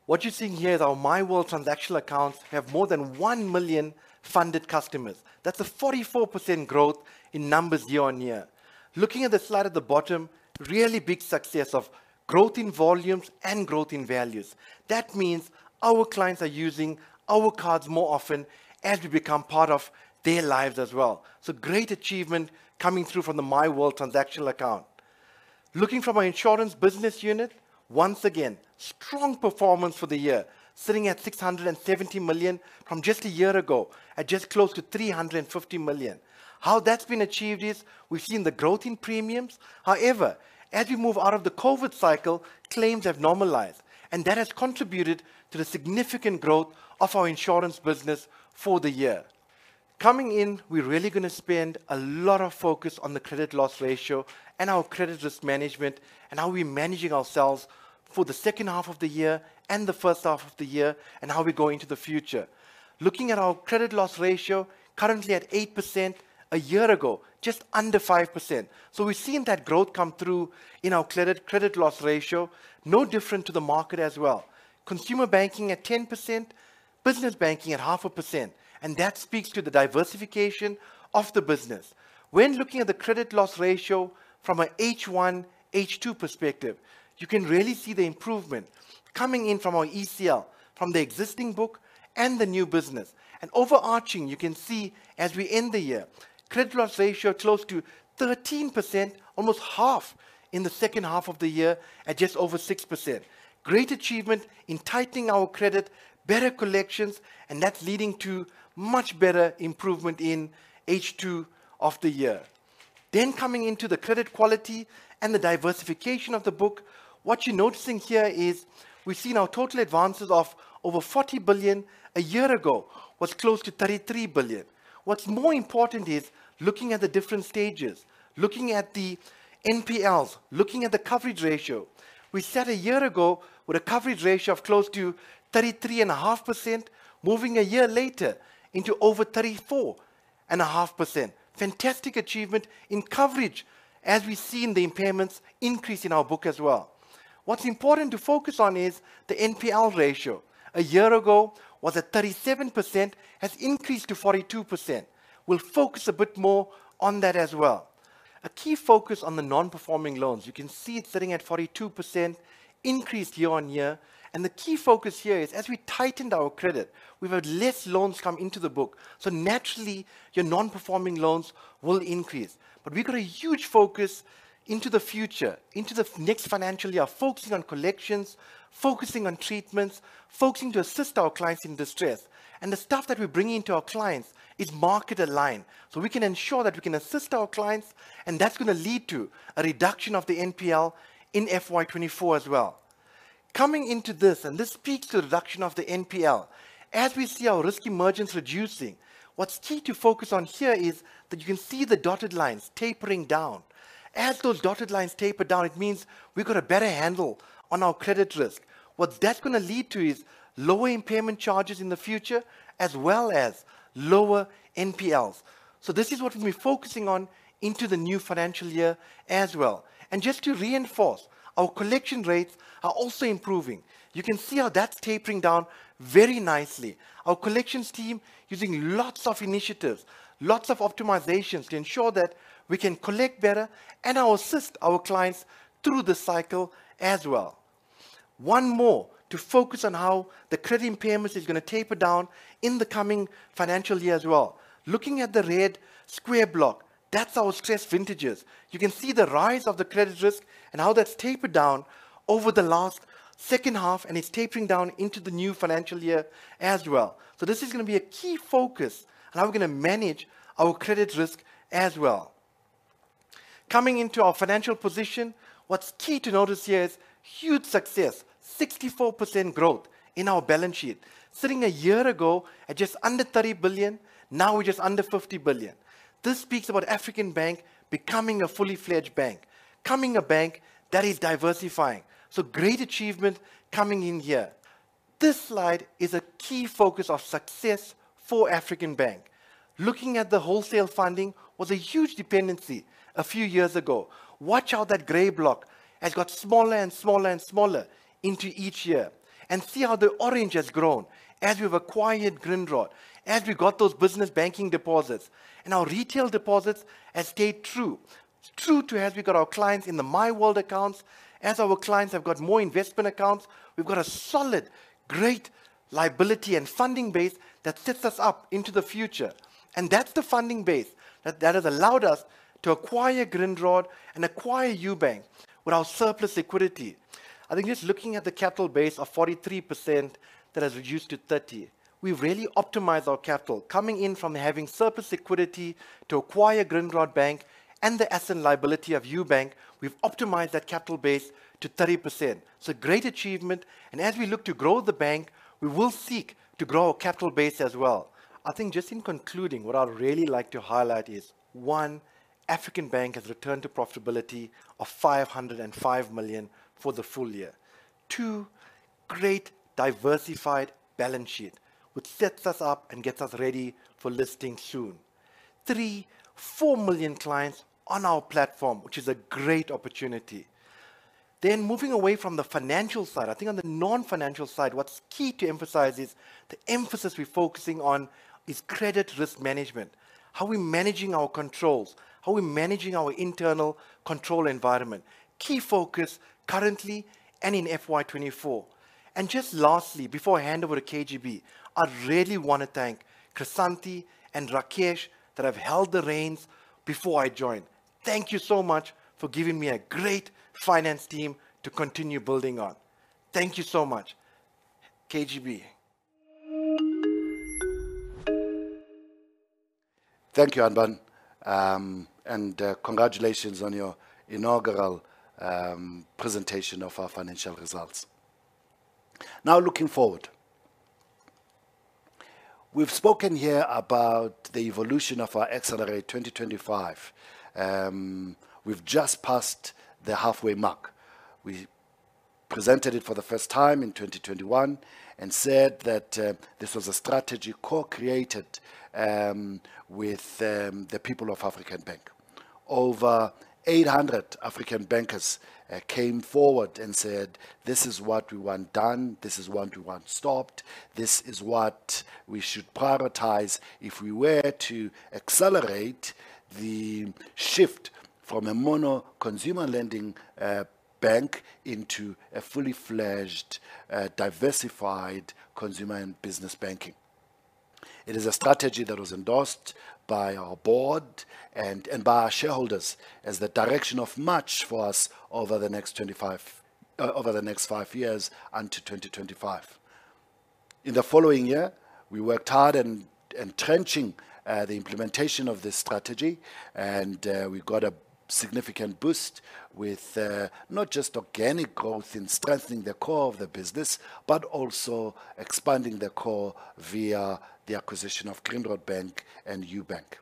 [SPEAKER 4] What you're seeing here is our MyWORLD transactional accounts have more than 1 million funded customers. That's a 44% growth in numbers year-on-year. Looking at the slide at the bottom, really big success of growth in volumes and growth in values. That means our clients are using our cards more often as we become part of their lives as well. So great achievement coming through from the MyWORLD transactional account. Looking from our insurance business unit, once again, strong performance for the year, sitting at 670 million from just a year ago at just close to 350 million. How that's been achieved is we've seen the growth in premiums. However, as we move out of the COVID cycle, claims have normalized, and that has contributed to the significant growth of our insurance business for the year. Coming in, we're really gonna spend a lot of focus on the credit loss ratio and our credit risk management, and how we're managing ourselves for the second half of the year and the first half of the year, and how we're going into the future. Looking at our credit loss ratio, currently at 8%, a year ago, just under 5%. So we've seen that growth come through in our credit, credit loss ratio, no different to the market as well. Consumer banking at 10%, business banking at 0.5%, and that speaks to the diversification of the business. When looking at the credit loss ratio from a H1, H2 perspective, you can really see the improvement coming in from our ECL, from the existing book and the new business. And overarching, you can see as we end the year, credit loss ratio close to 13%, almost half in the second half of the year at just over 6%. Great achievement in tightening our credit, better collections, and that's leading to much better improvement in H2 of the year. Then coming into the credit quality and the diversification of the book, what you're noticing here is we've seen our total advances of over 40 billion. A year ago was close to 33 billion. What's more important is looking at the different stages, looking at the NPLs, looking at the coverage ratio. We sat a year ago with a coverage ratio of close to 33.5%, moving a year later into over 34.5%. Fantastic achievement in coverage as we see in the impairments increase in our book as well. What's important to focus on is the NPL ratio. A year ago was at 37%, has increased to 42%. We'll focus a bit more on that as well. A key focus on the non-performing loans, you can see it sitting at 42%, increased year-on-year. And the key focus here is, as we tightened our credit, we've had less loans come into the book, so naturally, your non-performing loans will increase. But we've got a huge focus into the future, into the next financial year, focusing on collections, focusing on treatments, focusing to assist our clients in distress. And the stuff that we're bringing to our clients is market aligned, so we can ensure that we can assist our clients, and that's gonna lead to a reduction of the NPL in FY 2024 as well. Coming into this, and this speaks to the reduction of the NPL. As we see our risk emergence reducing, what's key to focus on here is that you can see the dotted lines tapering down. As those dotted lines taper down, it means we've got a better handle on our credit risk. What that's gonna lead to is lower impairment charges in the future, as well as lower NPLs. So this is what we'll be focusing on into the new financial year as well. And just to reinforce, our collection rates are also improving. You can see how that's tapering down very nicely. Our collections team using lots of initiatives, lots of optimizations to ensure that we can collect better and now assist our clients through the cycle as well. One more to focus on how the credit impairment is gonna taper down in the coming financial year as well. Looking at the red square block, that's our stress vintages. You can see the rise of the credit risk and how that's tapered down over the last second half, and it's tapering down into the new financial year as well. So this is gonna be a key focus on how we're gonna manage our credit risk as well. Coming into our financial position, what's key to notice here is huge success, 64% growth in our balance sheet. Sitting a year ago at just under 30 billion, now we're just under 50 billion. This speaks about African Bank becoming a full-fledged bank, becoming a bank that is diversifying. So great achievement coming in here. This slide is a key focus of success for African Bank. Looking at the wholesale funding was a huge dependency a few years ago. Watch how that gray block has got smaller and smaller and smaller into each year, and see how the orange has grown as we've acquired Grindrod, as we got those business banking deposits, and our retail deposits have stayed true. True to as we got our clients in the MyWORLD accounts, as our clients have got more investment accounts, we've got a solid, great liability and funding base that sets us up into the future. And that's the funding base that, that has allowed us to acquire Grindrod and acquire Ubank with our surplus liquidity. I think just looking at the capital base of 43%, that has reduced to 30%. We've really optimized our capital. Coming in from having surplus liquidity to acquire Grindrod Bank and the asset and liability of Ubank, we've optimized that capital base to 30%. It's a great achievement, and as we look to grow the bank, we will seek to grow our capital base as well. I think just in concluding, what I'd really like to highlight is, one, African Bank has returned to profitability of 505 million for the full year. Two, great diversified balance sheet, which sets us up and gets us ready for listing soon. Three, 4 million clients on our platform, which is a great opportunity. Then moving away from the financial side, I think on the non-financial side, what's key to emphasize is the emphasis we're focusing on is credit risk management. How we're managing our controls, how we're managing our internal control environment. Key focus currently and in FY 2024. And just lastly, before I hand over to KGB, I really wanna thank Chrisanthi and Rakesh, that have held the reins before I joined. Thank you so much for giving me a great finance team to continue building on. Thank you so much. KGB?
[SPEAKER 1] Thank you, Anbann. And congratulations on your inaugural presentation of our financial results. Now, looking forward. We've spoken here about the evolution of our Excelerate 2025. We've just passed the halfway mark. We presented it for the first time in 2021 and said that this was a strategy co-created with the people of African Bank. Over 800 African Bankers came forward and said: "This is what we want done. This is what we want stopped. This is what we should prioritize if we were to accelerate the shift from a monoline consumer lending bank into a fully fledged diversified consumer and business banking." It is a strategy that was endorsed by our board and by our shareholders as the direction of march for us over the next five years, until 2025. In the following year, we worked hard in entrenching the implementation of this strategy, and we got a significant boost with not just organic growth in strengthening the core of the business, but also expanding the core via the acquisition of Grindrod Bank and Ubank.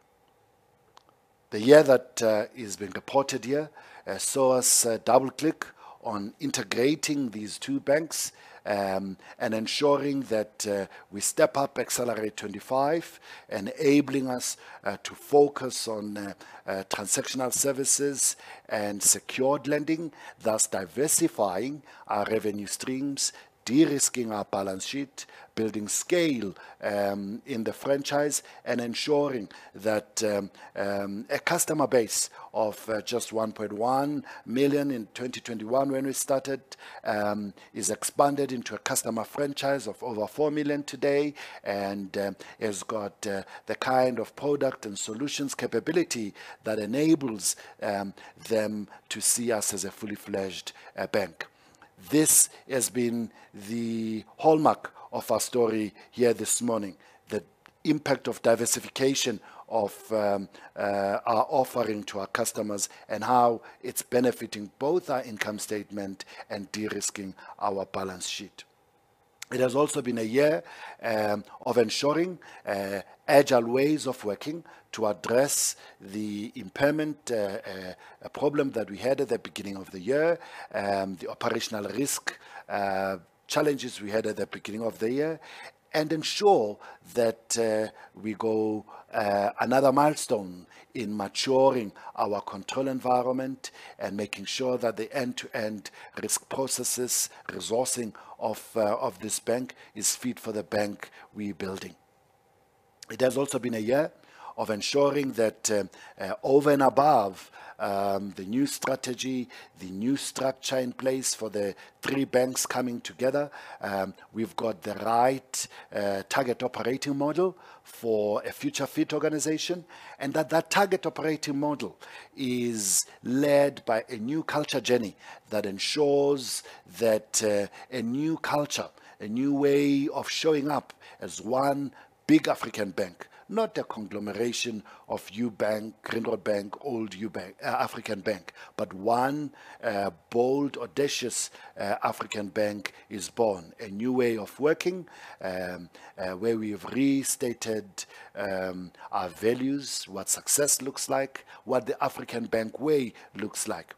[SPEAKER 1] The year that is being reported here saw us double-click on integrating these two banks, and ensuring that we step up Excelerate25, enabling us to focus on transactional services and secured lending, thus diversifying our revenue streams, de-risking our balance sheet, building scale in the franchise, and ensuring that a customer base of just 1.1 million in 2021 when we started is expanded into a customer franchise of over 4 million today, and has got the kind of product and solutions capability that enables them to see us as a full-fledged bank. This has been the hallmark of our story here this morning, the impact of diversification of our offering to our customers and how it's benefiting both our income statement and de-risking our balance sheet. It has also been a year of ensuring agile ways of working to address the impairment problem that we had at the beginning of the year, the operational risk challenges we had at the beginning of the year, and ensure that we go another milestone in maturing our control environment and making sure that the end-to-end risk processes, resourcing of this bank is fit for the bank we're building. It has also been a year of ensuring that, over and above the new strategy, the new strategy, the new structure in place for the three banks coming together, we've got the right target operating model for a future-fit organization, and that that target operating model is led by a new culture journey that ensures that a new culture, a new way of showing up as one big African Bank, not a conglomeration of Ubank, Grindrod Bank, old Ubank, African Bank, but one bold, audacious African Bank is born. A new way of working where we have restated our values, what success looks like, what the African Bank way looks like.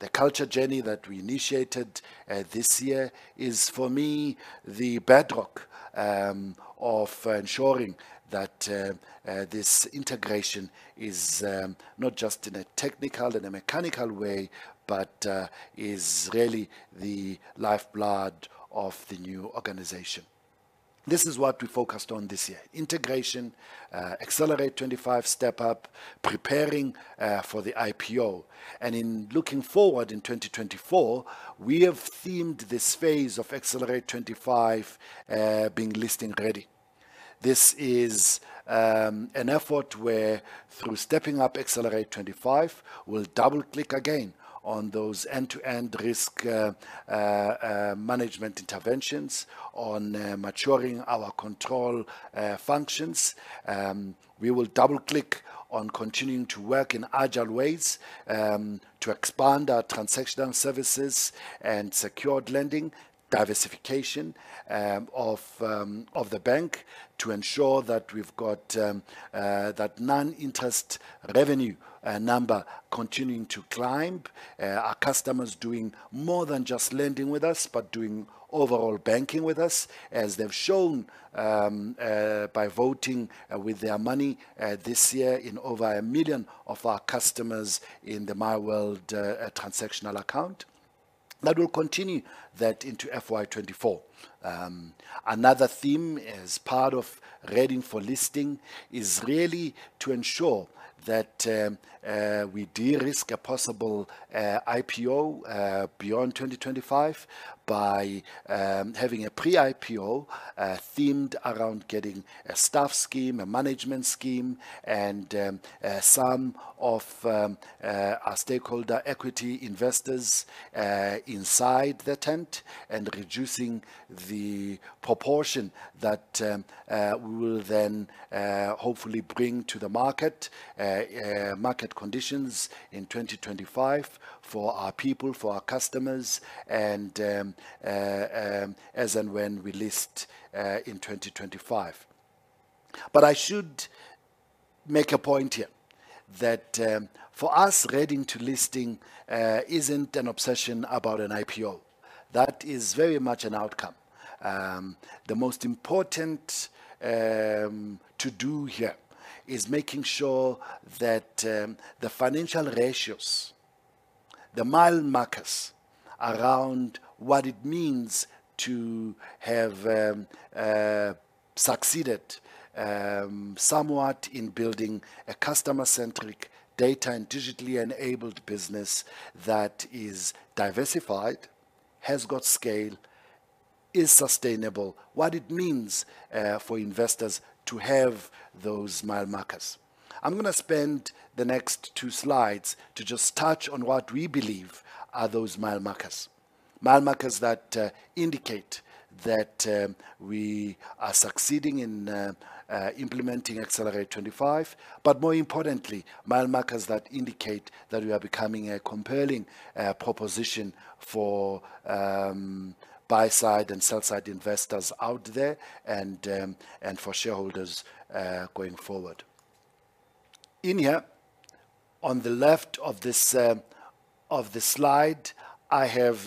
[SPEAKER 1] The culture journey that we initiated this year is, for me, the bedrock of ensuring that this integration is not just in a technical and a mechanical way, but is really the lifeblood of the new organization. This is what we focused on this year: Integration, Excelerate25, Step-up, Preparing for the IPO. In looking forward in 2024, we have themed this phase of Excelerate25 being listing ready. This is an effort where, through stepping up Excelerate25, we'll double-click again on those end-to-end risk management interventions, on maturing our control functions... We will double-click on continuing to work in agile ways to expand our transactional services and secured lending, diversification of the bank, to ensure that we've got that non-interest revenue number continuing to climb. Our customers doing more than just lending with us, but doing overall banking with us, as they've shown by voting with their money this year in over 1 million of our customers in the MyWORLD transactional account. That we'll continue that into FY 2024. Another theme as part of getting for listing is really to ensure that we de-risk a possible IPO beyond 2025 by having a pre-IPO themed around getting a staff scheme, a management scheme, and some of our stakeholder equity investors inside the tent and reducing the proportion that we will then hopefully bring to the market, market conditions in 2025 for our people, for our customers, and as and when we list in 2025. But I should make a point here that for us, getting to listing isn't an obsession about an IPO. That is very much an outcome. The most important to do here is making sure that the financial ratios, the mile markers around what it means to have succeeded somewhat in building a customer-centric data and digitally enabled business that is diversified, has got scale, is sustainable, what it means for investors to have those mile markers. I'm going to spend the next two slides to just touch on what we believe are those mile markers. Mile markers that indicate that we are succeeding in implementing Excelerate25, but more importantly, mile markers that indicate that we are becoming a compelling proposition for buy-side and sell-side investors out there and for shareholders going forward. In here, on the left of this slide, I have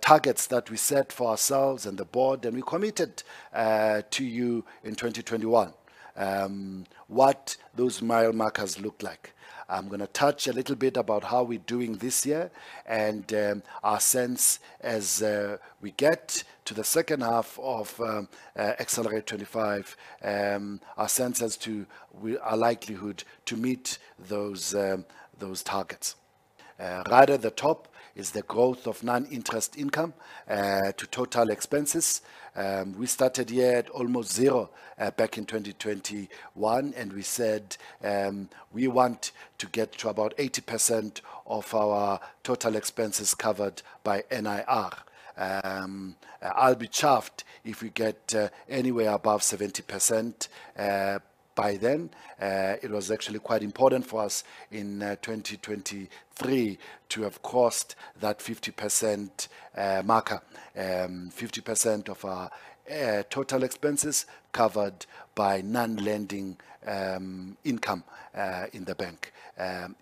[SPEAKER 1] targets that we set for ourselves and the board, and we committed to you in 2021, what those mile markers look like. I'm going to touch a little bit about how we're doing this year and our sense as we get to the second half of Excelerate25, our sense as to our likelihood to meet those targets. Right at the top is the growth of non-interest income to total expenses. We started here at almost zero back in 2021, and we said we want to get to about 80% of our total expenses covered by NIR. I'll be chuffed if we get anywhere above 70%, by then. It was actually quite important for us in 2023 to have crossed that 50% marker. 50% of our total expenses covered by non-lending income in the bank.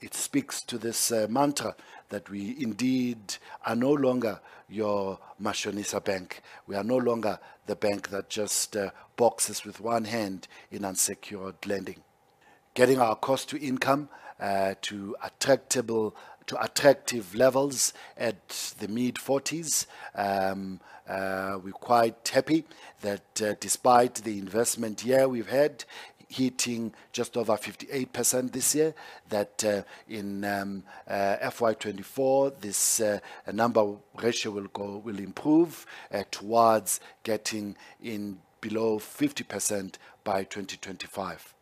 [SPEAKER 1] It speaks to this mantra that we indeed are no longer your mashonisa bank. We are no longer the bank that just boxes with one hand in unsecured lending. Getting our cost-to-income to attractive levels at the mid-40s. We're quite happy that, despite the investment year we've had, hitting just over 58% this year, that in FY 2024, this number ratio will go, will improve towards getting in below 50% by 2025.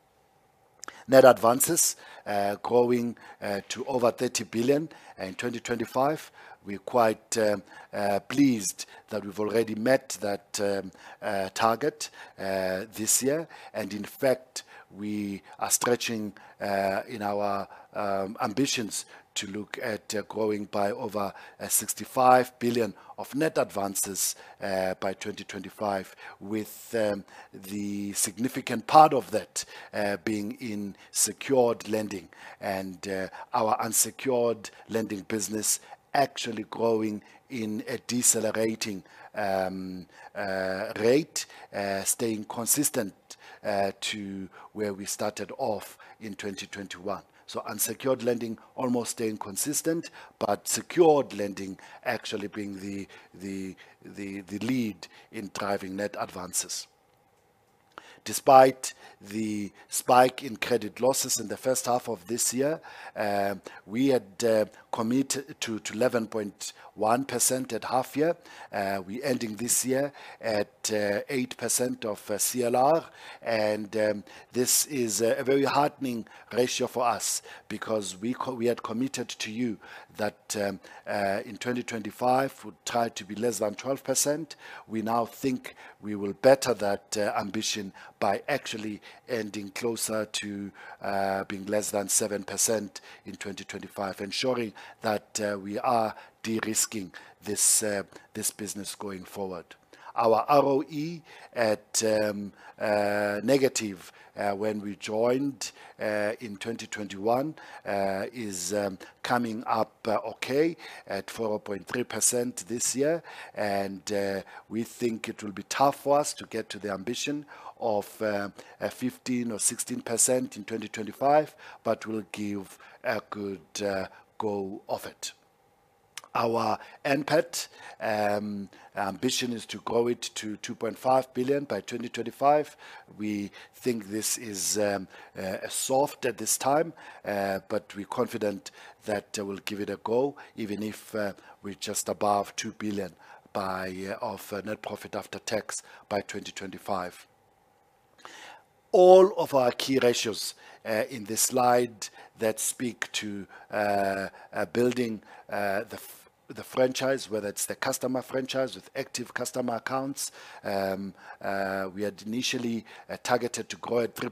[SPEAKER 1] Net advances growing to over 30 billion in 2025. We're quite pleased that we've already met that target this year. And in fact, we are stretching in our ambitions to look at growing by over 65 billion of net advances by 2025, with the significant part of that being in secured lending. And our unsecured lending business actually growing in a decelerating rate, staying consistent to where we started off in 2021. So unsecured lending almost staying consistent, but secured lending actually being the lead in driving net advances. Despite the spike in credit losses in the first half of this year, we had committed to 11.1% at half year. We ending this year at 8% CLR, and this is a very heartening ratio for us because we had committed to you that in 2025, we tried to be less than 12%. We now think we will better that ambition by actually ending closer to being less than 7% in 2025, ensuring that we are de-risking this business going forward. Our ROE at negative when we joined in 2021 is coming up okay at 4.3% this year. And we think it will be tough for us to get to the ambition of 15% or 16% in 2025, but we'll give a good go of it. Our NPAT ambition is to grow it to 2.5 billion by 2025. We think this is soft at this time, but we're confident that we'll give it a go, even if we're just above 2 billion net profit after tax by 2025. All of our key ratios in this slide that speak to building the franchise, whether it's the customer franchise with active customer accounts. We had initially targeted to grow to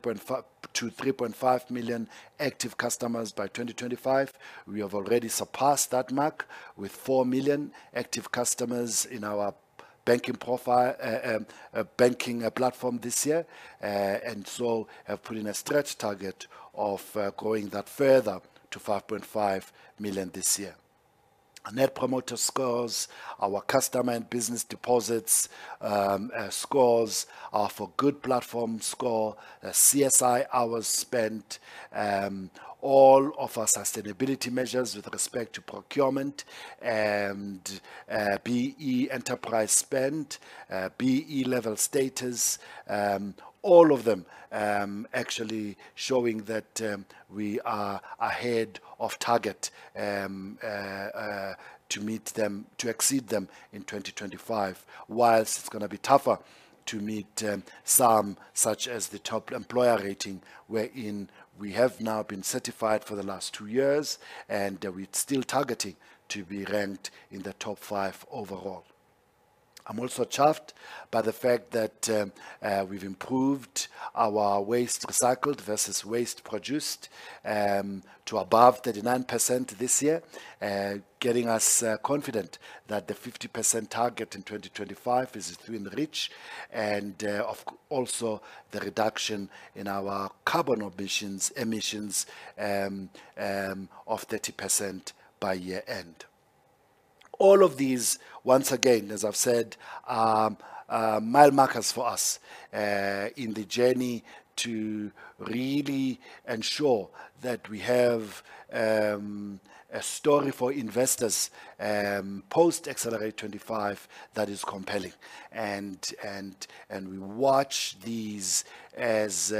[SPEAKER 1] 3.5 million active customers by 2025. We have already surpassed that mark with 4 million active customers in our banking platform this year. And so have put in a stretch target of growing that further to 5.5 million this year. Net Promoter Scores, our customer and business deposits, scores are for good platform score. CSI hours spent, all of our sustainability measures with respect to procurement and, BEE enterprise spend, BEE level status. All of them, actually showing that, we are ahead of target, to meet them, to exceed them in 2025. While it's gonna be tougher to meet, some, such as the Top Employer rating, wherein we have now been certified for the last two years, and we're still targeting to be ranked in the top five overall. I'm also chuffed by the fact that, we've improved our waste recycled versus waste produced, to above 39% this year. Getting us confident that the 50% target in 2025 is within reach, and also the reduction in our carbon emissions of 30% by year-end. All of these, once again, as I've said, are mile markers for us in the journey to really ensure that we have a story for investors post Excelerate25, that is compelling. And we watch these as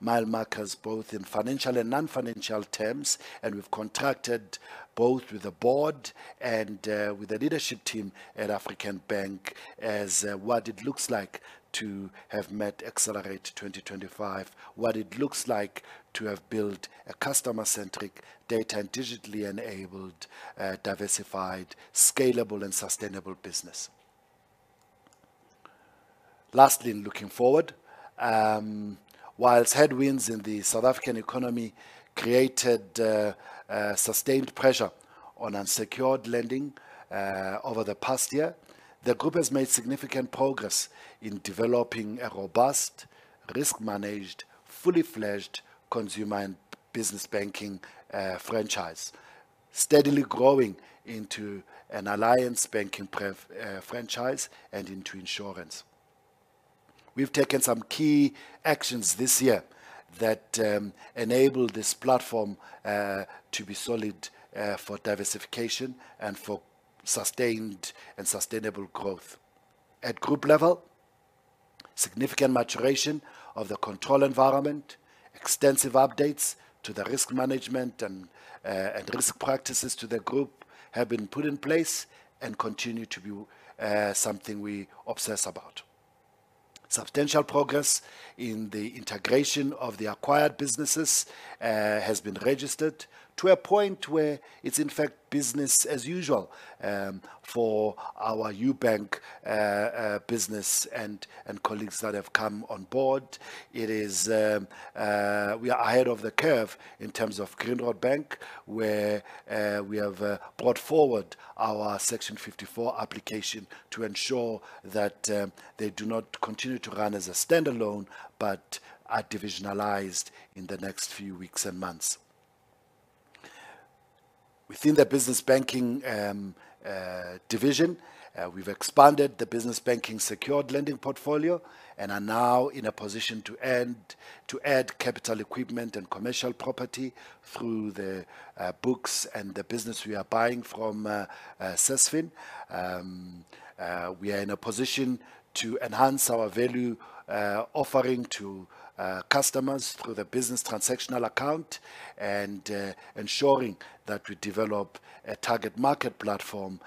[SPEAKER 1] mile markers, both in financial and non-financial terms, and we've contacted both with the board and with the leadership team at African Bank as what it looks like to have met Excelerate 2025, what it looks like to have built a customer-centric data and digitally enabled diversified, scalable and sustainable business. Lastly, in looking forward, while headwinds in the South African economy created sustained pressure on unsecured lending over the past year, the group has made significant progress in developing a robust, risk-managed, fully fledged consumer and business banking franchise, steadily growing into an alliance banking franchise and into insurance. We've taken some key actions this year that enable this platform to be solid for diversification and for sustained and sustainable growth. At group level, significant maturation of the control environment, extensive updates to the risk management and risk practices to the group have been put in place and continue to be something we obsess about. Substantial progress in the integration of the acquired businesses has been registered to a point where it's in fact business as usual for our Ubank business and colleagues that have come on board. We are ahead of the curve in terms of Grindrod Bank, where we have brought forward our Section 54 application to ensure that they do not continue to run as a standalone, but are divisionalized in the next few weeks and months. Within the business banking division, we've expanded the business banking secured lending portfolio and are now in a position to add capital equipment and commercial property through the books and the business we are buying from Sasfin. We are in a position to enhance our value offering to customers through the business transactional account and ensuring that we develop a target market platform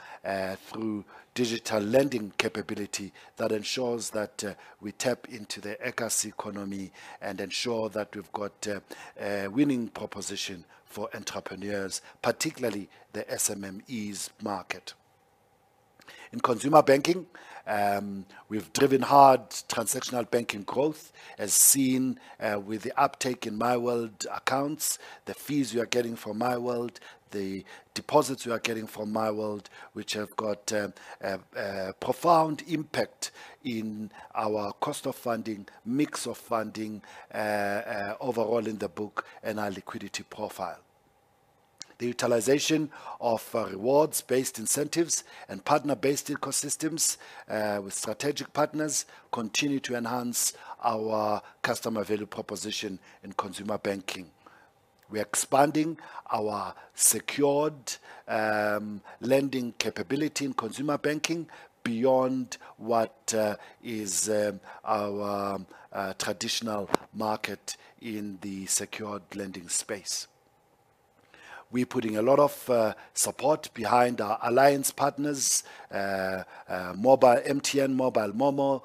[SPEAKER 1] through digital lending capability that ensures that we tap into the e-Kasi economy and ensure that we've got a winning proposition for entrepreneurs, particularly the SMMEs market. In consumer banking, we've driven hard transactional banking growth, as seen with the uptake in MyWORLD accounts, the fees we are getting from MyWORLD, the deposits we are getting from MyWORLD, which have got a profound impact in our cost of funding, mix of funding overall in the book, and our liquidity profile. The utilization of rewards-based incentives and partner-based ecosystems with strategic partners continue to enhance our customer value proposition in consumer banking. We are expanding our secured lending capability in consumer banking beyond what is our traditional market in the secured lending space. We're putting a lot of support behind our alliance partners, Mobile MTN, Mobile MoMo,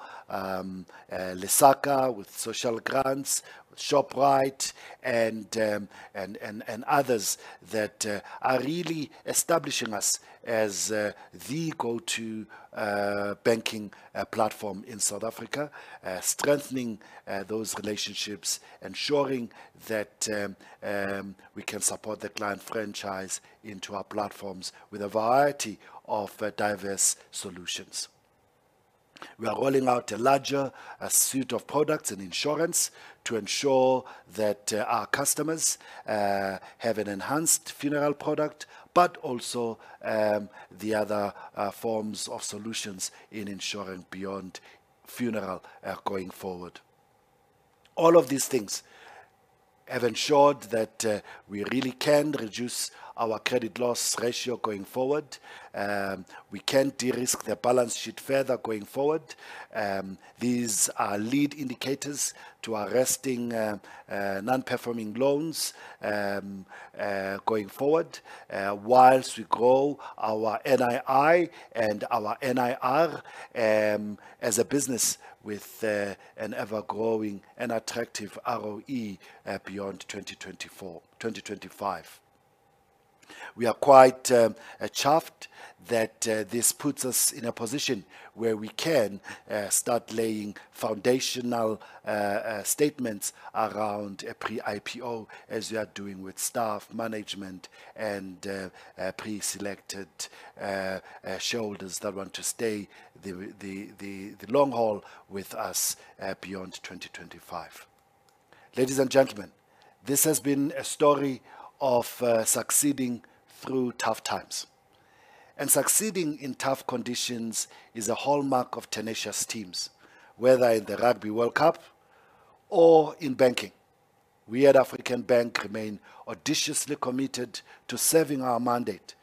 [SPEAKER 1] Lesaka with social grants, Shoprite, and others that are really establishing us as the go-to banking platform in South Africa. Strengthening those relationships, ensuring that we can support the client franchise into our platforms with a variety of diverse solutions. We are rolling out a larger suite of products and insurance to ensure that our customers have an enhanced funeral product, but also the other forms of solutions in insurance beyond funeral going forward. All of these things have ensured that, we really can reduce our credit loss ratio going forward. We can de-risk the balance sheet further going forward. These are lead indicators to arresting non-performing loans going forward, whilst we grow our NII and our NIR, as a business with an ever-growing and attractive ROE, beyond 2024... 2025. We are quite chuffed that this puts us in a position where we can start laying foundational statements around a pre-IPO, as we are doing with staff, management, and preselected shareholders that want to stay the long haul with us, beyond 2025. Ladies and gentlemen, this has been a story of succeeding through tough times. Succeeding in tough conditions is a hallmark of tenacious teams, whether in the Rugby World Cup or in banking. We at African Bank remain audaciously committed to serving our mandate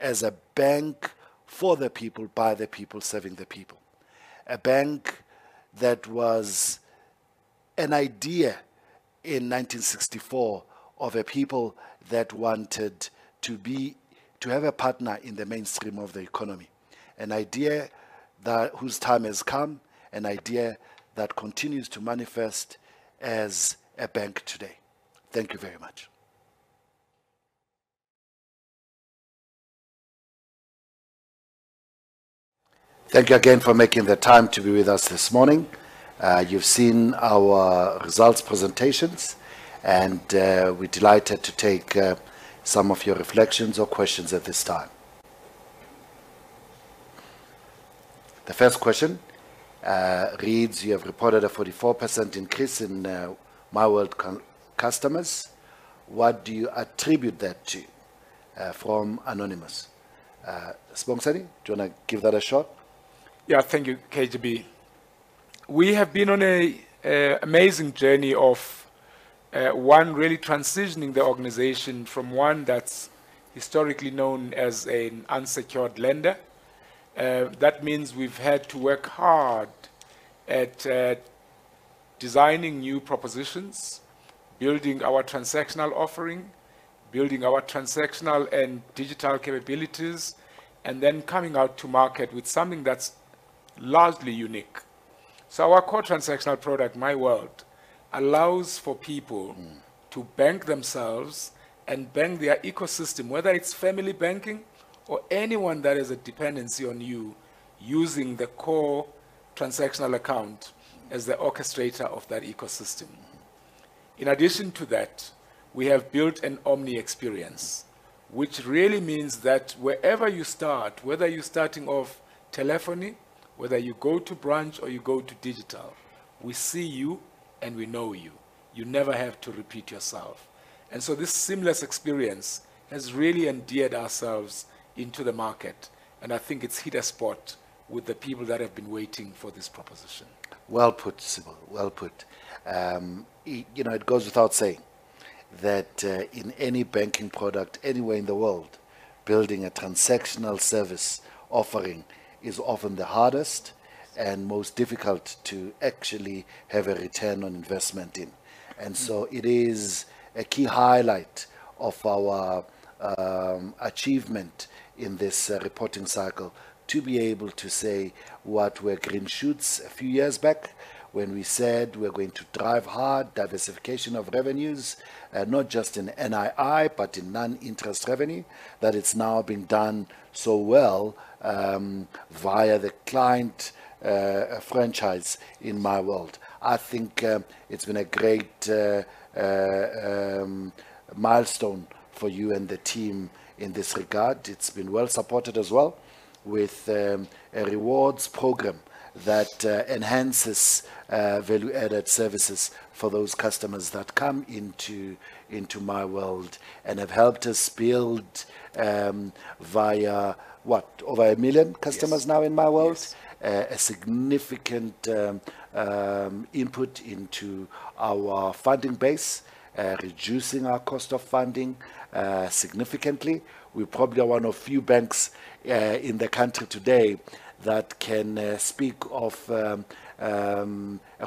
[SPEAKER 1] as a bank for the people, by the people, serving the people. A bank that was an idea in 1964 of a people that wanted to have a partner in the mainstream of the economy. An idea whose time has come, an idea that continues to manifest as a bank today. Thank you very much. Thank you again for making the time to be with us this morning. You've seen our results presentations, and we're delighted to take some of your reflections or questions at this time. The first question reads: "You have reported a 44% increase in MyWORLD customers. What do you attribute that to?" From anonymous. Sibongiseni, do you want to give that a shot?
[SPEAKER 2] Yeah. Thank you, KGB. We have been on a amazing journey of one, really transitioning the organization from one that's historically known as an unsecured lender. That means we've had to work hard at designing new propositions, building our transactional offering, building our transactional and digital capabilities, and then coming out to market with something that's largely unique. So our core transactional product, MyWORLD, allows for people to bank themselves and bank their ecosystem, whether it's family banking or anyone that has a dependency on you, using the core transactional account as the orchestrator of that ecosystem. In addition to that, we have built an omni experience, which really means that wherever you start, whether you're starting off telephony, whether you go to branch or you go to digital, we see you, and we know you. You never have to repeat yourself. And so this seamless experience has really endeared ourselves into the market, and I think it's hit a spot with the people that have been waiting for this proposition.
[SPEAKER 1] Well put, Sibo. Well put. You know, it goes without saying that, in any banking product, anywhere in the world, building a transactional service offering is often the hardest and most difficult to actually have a return on investment in. And so it is a key highlight of our achievement in this reporting cycle to be able to say what were green shoots a few years back when we said we're going to drive hard diversification of revenues, not just in NII, but in non-interest revenue, that it's now been done so well, via the client franchise in MyWORLD. I think it's been a great milestone for you and the team in this regard. It's been well supported as well with a rewards program that enhances value-added services for those customers that come into MyWORLD and have helped us build via what over 1 million customers now in MyWORLD?
[SPEAKER 3] Yes, yes.
[SPEAKER 1] A significant input into our funding base, reducing our cost of funding, significantly. We probably are one of few banks in the country today that can speak of a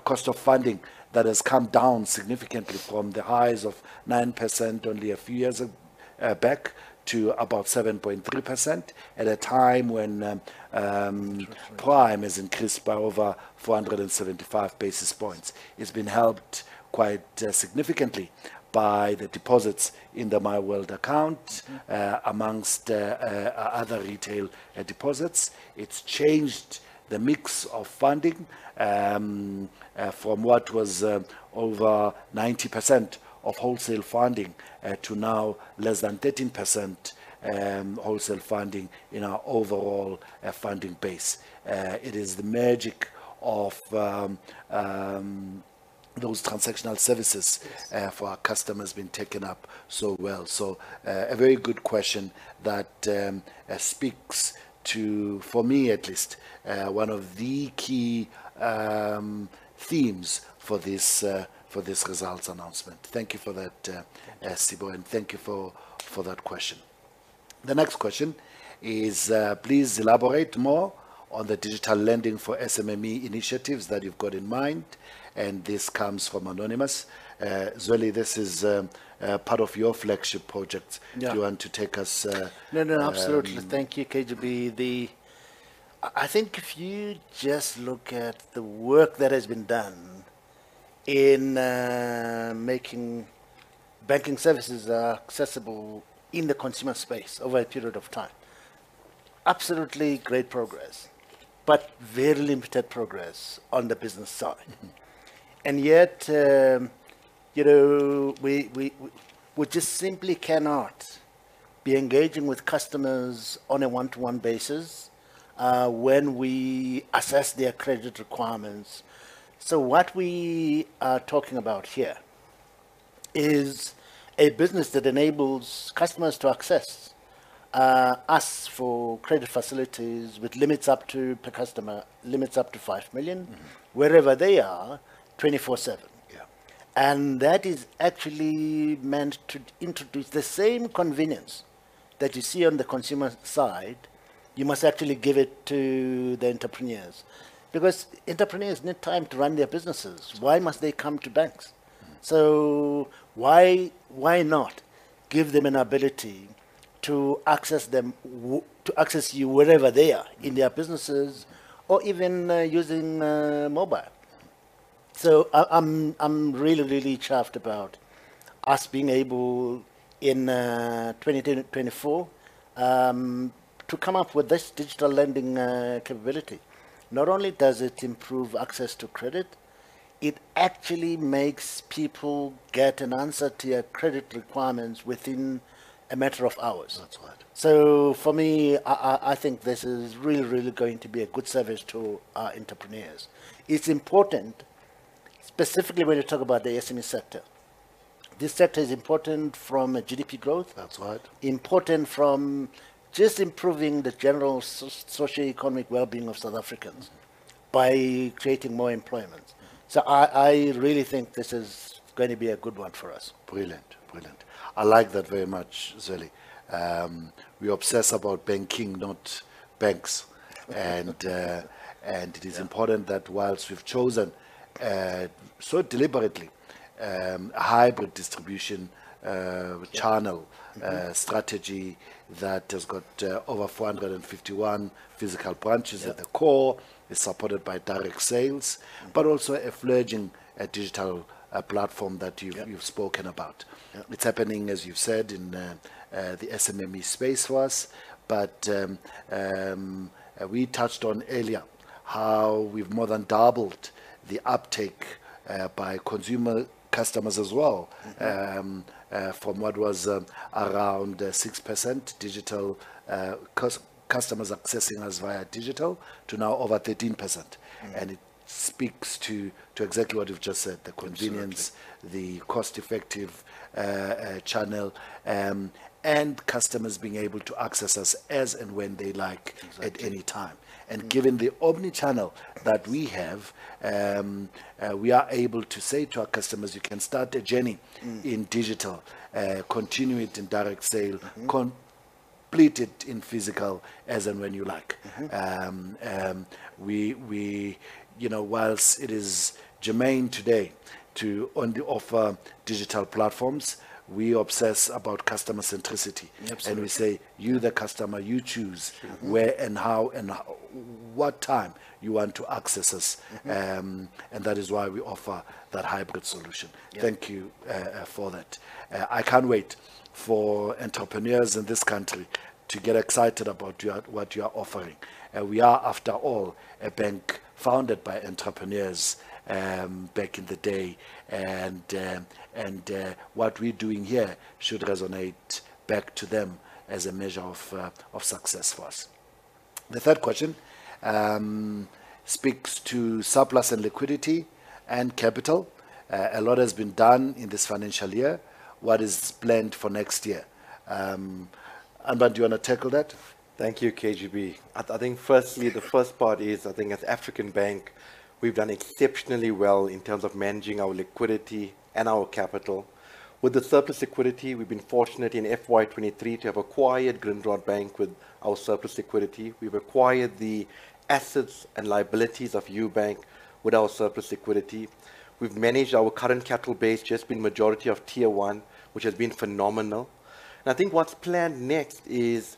[SPEAKER 1] cost of funding that has come down significantly from the highs of 9% only a few years back, to about 7.3%, at a time when-
[SPEAKER 3] That's right...
[SPEAKER 1] prime has increased by over 475 basis points. It's been helped quite, significantly by the deposits in the MyWORLD account-
[SPEAKER 3] Mm-hmm...
[SPEAKER 1] amongst other retail deposits. It's changed the mix of funding from what was over 90% of wholesale funding to now less than 13% wholesale funding in our overall funding base. It is the magic of those transactional services-
[SPEAKER 3] Yes...
[SPEAKER 1] for our customers being taken up so well. So, a very good question that speaks to, for me at least, one of the key themes for this, for this results announcement. Thank you for that, Sibo, and thank you for, for that question. The next question is: "Please elaborate more on the digital lending for SMME initiatives that you've got in mind", and this comes from anonymous. Zweli, this is, part of your flagship project.
[SPEAKER 3] Yeah.
[SPEAKER 1] Do you want to take us?
[SPEAKER 3] No, no, absolutely. Thank you, KGB. I think if you just look at the work that has been done in making banking services accessible in the consumer space over a period of time, absolutely great progress, but very limited progress on the business side.
[SPEAKER 1] Mm-hmm.
[SPEAKER 3] And yet, you know, we just simply cannot be engaging with customers on a one-to-one basis when we assess their credit requirements. So what we are talking about here is a business that enables customers to access us for credit facilities, with limits up to ZAR 5 million per customer, limits up to 5 million-
[SPEAKER 1] Mm-hmm...
[SPEAKER 3] wherever they are, 24/7.
[SPEAKER 1] Yeah.
[SPEAKER 3] That is actually meant to introduce the same convenience that you see on the consumer side, you must actually give it to the entrepreneurs. Because entrepreneurs need time to run their businesses. Why must they come to banks?
[SPEAKER 1] Mm-hmm.
[SPEAKER 3] So why, why not give them an ability to access them to access you wherever they are, in their businesses or even using mobile?
[SPEAKER 1] Yeah.
[SPEAKER 3] I'm really, really chuffed about us being able, in 2024, to come up with this digital lending capability. Not only does it improve access to credit, it actually makes people get an answer to your credit requirements within a matter of hours.
[SPEAKER 1] That's right.
[SPEAKER 3] So for me, I think this is really, really going to be a good service to our entrepreneurs. It's important, specifically when you talk about the SMME sector. This sector is important from GDP growth-
[SPEAKER 1] That's right...
[SPEAKER 3] important from just improving the general socioeconomic wellbeing of South Africans-
[SPEAKER 1] Mm-hmm...
[SPEAKER 3] by creating more employment.
[SPEAKER 1] Mm-hmm.
[SPEAKER 3] I really think this is going to be a good one for us.
[SPEAKER 1] Brilliant, brilliant. I like that very much, Zweli. We obsess about banking, not banks. And it is important-
[SPEAKER 3] Yeah...
[SPEAKER 1] that whilst we've chosen so deliberately a hybrid distribution channel-
[SPEAKER 3] Mm-hmm...
[SPEAKER 1] strategy, that has got, over 451 physical branches-
[SPEAKER 3] Yeah...
[SPEAKER 1] at the core, is supported by direct sales, but also a fledgling, digital, platform that you've-
[SPEAKER 3] Yeah...
[SPEAKER 1] you've spoken about.
[SPEAKER 3] Yeah.
[SPEAKER 1] It's happening, as you've said, in the SMME space for us. But we touched on earlier how we've more than doubled the uptake by consumer customers as well.
[SPEAKER 3] Mm-hmm.
[SPEAKER 1] From what was around 6% digital customers accessing us via digital, to now over 13%.
[SPEAKER 3] Mm-hmm.
[SPEAKER 1] It speaks to exactly what you've just said, the convenience-
[SPEAKER 3] Absolutely...
[SPEAKER 1] the cost-effective channel, and customers being able to access us as and when they like-
[SPEAKER 3] Exactly...
[SPEAKER 1] at any time.
[SPEAKER 3] Mm-hmm.
[SPEAKER 1] Given the omni-channel that we have-
[SPEAKER 3] Yes...
[SPEAKER 1] we are able to say to our customers, "You can start a journey-
[SPEAKER 3] Mm...
[SPEAKER 1] in digital, continue it in direct sale, complete it in physical as and when you like.
[SPEAKER 4] Mm-hmm.
[SPEAKER 1] We, you know, whilst it is germane today to only offer digital platforms, we obsess about customer centricity.
[SPEAKER 4] Absolutely.
[SPEAKER 1] We say, "You, the customer, you choose-
[SPEAKER 4] Mm-hmm...
[SPEAKER 1] where and how and what time you want to access us.
[SPEAKER 4] Mm-hmm.
[SPEAKER 1] That is why we offer that hybrid solution.
[SPEAKER 4] Yeah.
[SPEAKER 1] Thank you for that. I can't wait for entrepreneurs in this country to get excited about your, what you are offering. We are, after all, a bank founded by entrepreneurs back in the day, and what we're doing here should resonate back to them as a measure of success for us. The third question speaks to surplus and liquidity and capital. A lot has been done in this financial year. What is planned for next year? Anbann, do you want to tackle that?
[SPEAKER 4] Thank you, KGB. I think firstly, the first part is, I think as African Bank, we've done exceptionally well in terms of managing our liquidity and our capital. With the surplus liquidity, we've been fortunate in FY 2023 to have acquired Grindrod Bank with our surplus liquidity. We've acquired the assets and liabilities of Ubank with our surplus liquidity. We've managed our current capital base to just be majority of Tier 1, which has been phenomenal. I think what's planned next is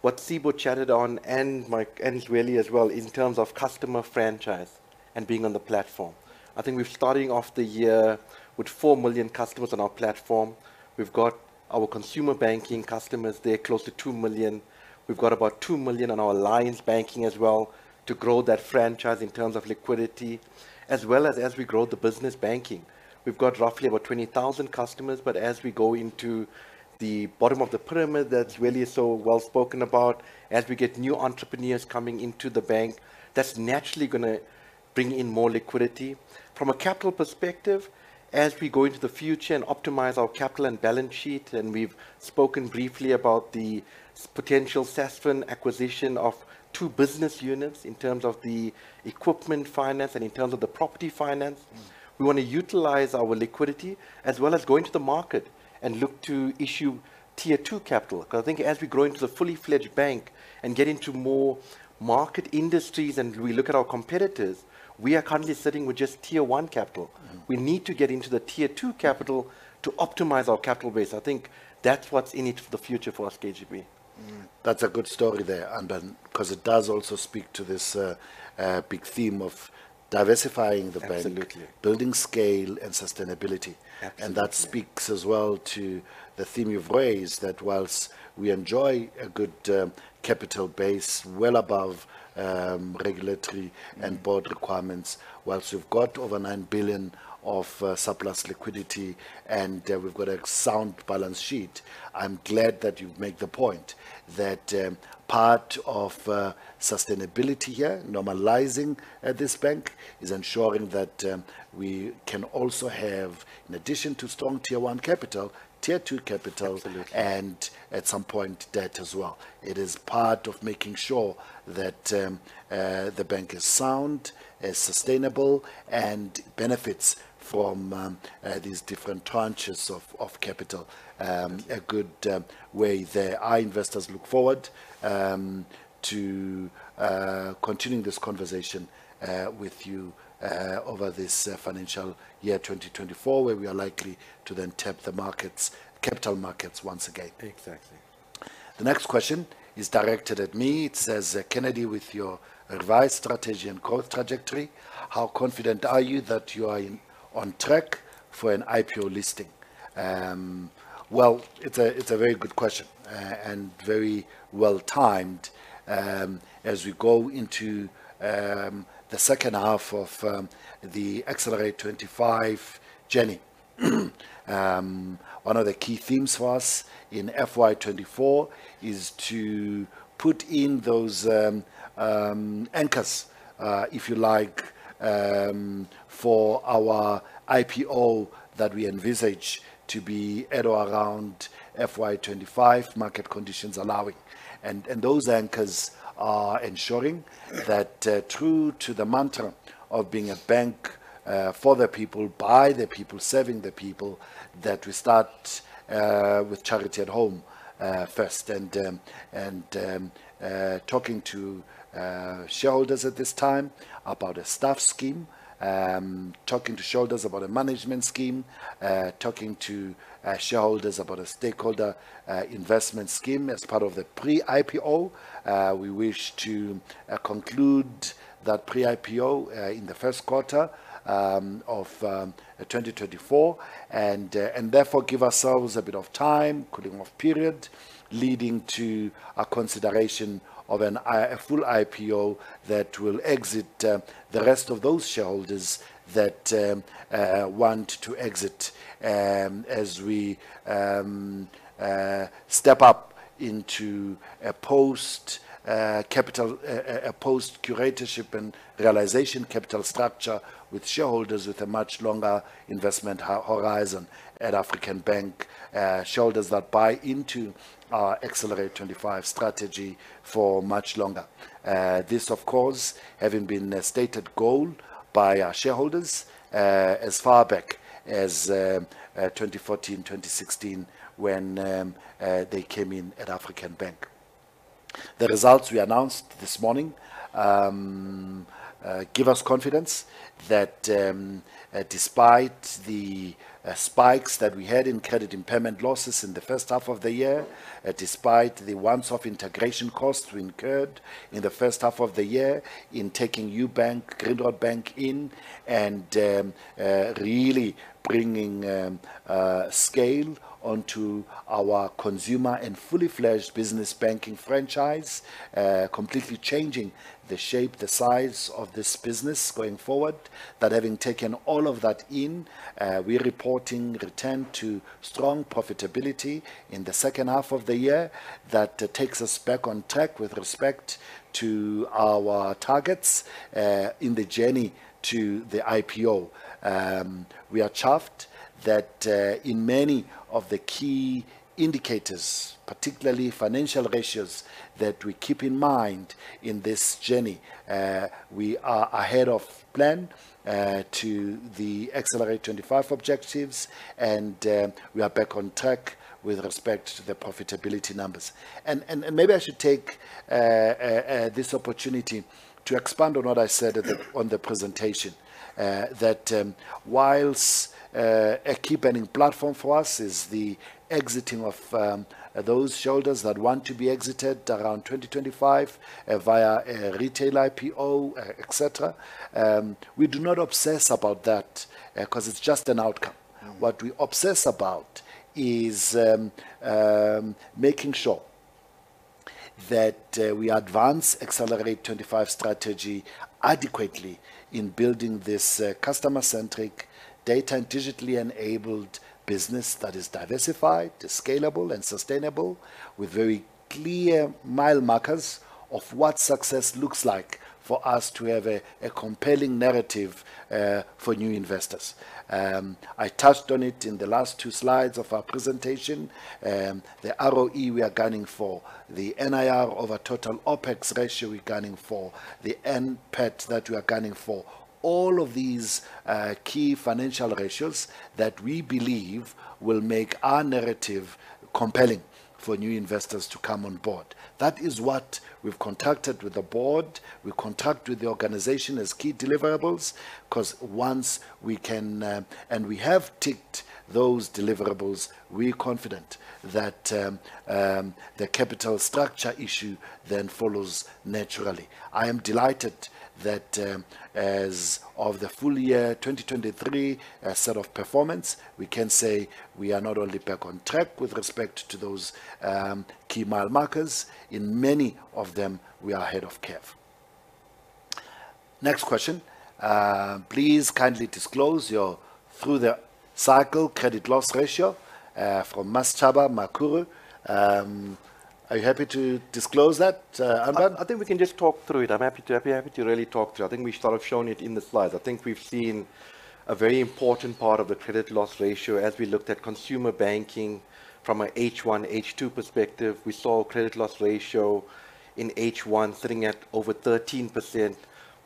[SPEAKER 4] what Sibo chatted on, and Mike, and Zweli as well, in terms of customer franchise and being on the platform. I think we're starting off the year with 4 million customers on our platform. We've got our consumer banking customers there, close to 2 million. We've got about 2 million on our alliance banking as well, to grow that franchise in terms of liquidity, as well as, as we grow the business banking. We've got roughly about 20,000 customers, but as we go into the bottom of the pyramid, that Zweli so well spoken about, as we get new entrepreneurs coming into the bank, that's naturally gonna bring in more liquidity. From a capital perspective, as we go into the future and optimize our capital and balance sheet, and we've spoken briefly about the potential Sasfin acquisition of two business units in terms of the equipment finance and in terms of the property finance.
[SPEAKER 1] Mm.
[SPEAKER 4] We want to utilize our liquidity as well as go into the market and look to issue Tier 2 capital. Because I think as we grow into the full-fledged bank and get into more market industries, and we look at our competitors, we are currently sitting with just Tier 1 capital.
[SPEAKER 1] Mm.
[SPEAKER 4] We need to get into the Tier 2 capital to optimize our capital base. I think that's what's in it for the future for us, KGB.
[SPEAKER 1] That's a good story there, Anbann, because it does also speak to this big theme of diversifying the bank-
[SPEAKER 4] Absolutely...
[SPEAKER 1] building scale and sustainability.
[SPEAKER 4] Absolutely.
[SPEAKER 1] That speaks as well to the theme you've raised, that while we enjoy a good capital base well above regulatory-
[SPEAKER 4] Mm...
[SPEAKER 1] and board requirements, while we've got over 9 billion of surplus liquidity and we've got a sound balance sheet. I'm glad that you've made the point that part of sustainability here, normalising at this bank, is ensuring that we can also have, in addition to strong Tier 1 capital, Tier 2 capital-
[SPEAKER 4] Exactly...
[SPEAKER 1] and at some point, debt as well. It is part of making sure that the bank is sound, is sustainable, and benefits from these different tranches of capital. A good way there. Our investors look forward to continuing this conversation with you over this financial year, 2024, where we are likely to then tap the markets, capital markets once again.
[SPEAKER 4] Exactly.
[SPEAKER 1] The next question is directed at me. It says: "Kennedy, with your revised strategy and growth trajectory, how confident are you that you are on track for an IPO listing?" Well, it's a very good question, and very well timed, as we go into the second half of the Excelerate25 journey. One of the key themes for us in FY 2024 is to put in those anchors, if you like, for our IPO that we envisage to be at or around FY 2025, market conditions allowing. And those anchors are ensuring that, true to the mantra of being a bank for the people, by the people, serving the people, that we start with charity at home first. Talking to shareholders at this time about a staff scheme, talking to shareholders about a management scheme, talking to shareholders about a stakeholder investment scheme as part of the pre-IPO. We wish to conclude that pre-IPO in the first quarter of 2024, and therefore give ourselves a bit of time, cooling off period, leading to a consideration of a full IPO that will exit the rest of those shareholders that want to exit. As we step up into a post-capital, a post-curatorship and realisation capital structure with shareholders with a much longer investment horizon at African Bank. Shareholders that buy into our Excelerate25 strategy for much longer. This, of course, having been a stated goal by our shareholders, as far back as 2014, 2016, when they came in at African Bank. The results we announced this morning give us confidence that, despite the spikes that we had in credit impairment losses in the first half of the year, despite the once-off integration costs we incurred in the first half of the year in taking Ubank, Grindrod Bank in, and really bringing scale onto our consumer and fully fledged business banking franchise. Completely changing the shape, the size of this business going forward. That having taken all of that in, we're reporting return to strong profitability in the second half of the year. That takes us back on track with respect to our targets in the journey to the IPO. We are chuffed that in many of the key indicators, particularly financial ratios, that we keep in mind in this journey, we are ahead of plan to the Excelerate25 objectives, and we are back on track with respect to the profitability numbers. And maybe I should take this opportunity to expand on what I said on the presentation. That whilst a key burning platform for us is the exiting of those shareholders that want to be exited around 2025 via a retail IPO, et cetera, we do not obsess about that because it's just an outcome. What we obsess about is making sure that we advance Excelerate25 strategy adequately in building this customer-centric data and digitally enabled business that is diversified, is scalable, and sustainable, with very clear mile markers of what success looks like for us to have a compelling narrative for new investors. I touched on it in the last two slides of our presentation. The ROE we are gunning for, the NIR over total OpEx ratio we're gunning for, the NPAT that we are gunning for. All of these key financial ratios that we believe will make our narrative compelling for new investors to come on board. That is what we've contracted with the board, we contract with the organisation as key deliverables, 'cause once we can... We have ticked those deliverables. We are confident that the capital structure issue then follows naturally. I am delighted that, as of the full year 2023 set of performance, we can say we are not only back on track with respect to those key mile markers. In many of them, we are ahead of curve. Next question. Please kindly disclose your through the cycle credit loss ratio from [Masechaba Sefularo]. Are you happy to disclose that, Anbann?
[SPEAKER 4] I think we can just talk through it. I'm happy to, happy, happy to really talk through. I think we've sort of shown it in the slides. I think we've seen a very important part of the credit loss ratio as we looked at consumer banking from a H1, H2 perspective. We saw credit loss ratio in H1 sitting at over 13%.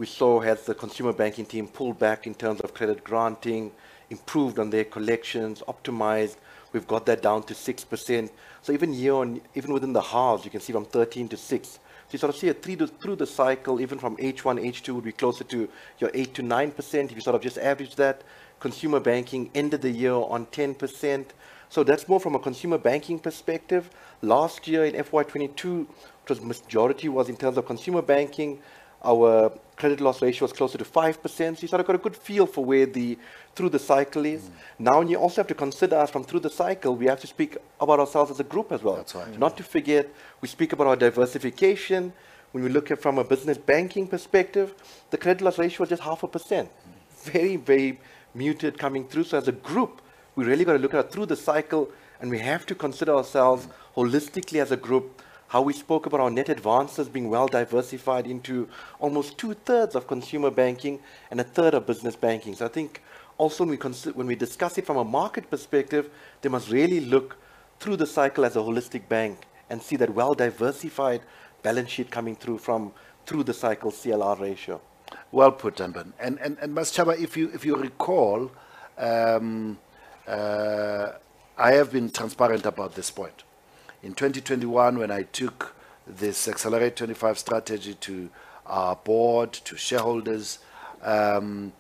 [SPEAKER 4] We saw as the consumer banking team pulled back in terms of credit granting, improved on their collections, optimized. We've got that down to 6%. So even year on, even within the halves, you can see from 13 to six. So you sort of see it through the, through the cycle, even from H1, H2, would be closer to your 8%-9%, if you sort of just average that. Consumer banking ended the year on 10%. So that's more from a consumer banking perspective. Last year in FY 2022, because majority was in terms of consumer banking, our credit loss ratio was closer to 5%. So you sort of got a good feel for where the through the cycle is.
[SPEAKER 1] Mm-hmm.
[SPEAKER 4] Now, you also have to consider us through the cycle. We have to speak about ourselves as a group as well.
[SPEAKER 1] That's right.
[SPEAKER 4] Not to forget, we speak about our diversification. When we look at from a business banking perspective, the credit loss ratio was just 0.5%.
[SPEAKER 1] Mm-hmm.
[SPEAKER 4] Very, very muted coming through. So as a group, we really got to look at through the cycle, and we have to consider ourselves holistically as a group. How we spoke about our net advances being well diversified into almost two-thirds of consumer banking and a third of business banking. So I think also when we discuss it from a market perspective, they must really look through the cycle as a holistic bank and see that well-diversified balance sheet coming through from through the cycle CLR ratio.
[SPEAKER 1] Well put, Anbann. And Masechaba, if you recall, I have been transparent about this point. In 2021, when I took this Excelerate 2025 strategy to our board, to shareholders, I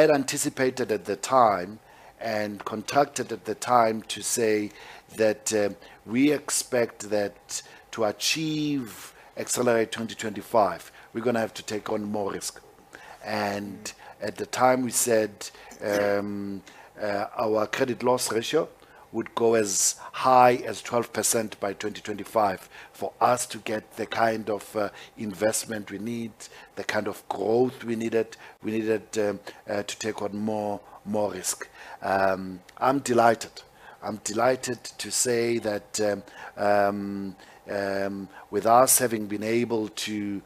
[SPEAKER 1] had anticipated at the time and contracted at the time to say that, we expect that to achieve Excelerate 2025, we're going to have to take on more risk.
[SPEAKER 4] Mm-hmm.
[SPEAKER 1] At the time, we said-
[SPEAKER 4] Yeah...
[SPEAKER 1] our credit loss ratio would go as high as 12% by 2025. For us to get the kind of investment we need, the kind of growth we needed, we needed to take on more risk. I'm delighted. I'm delighted to say that with us having been able to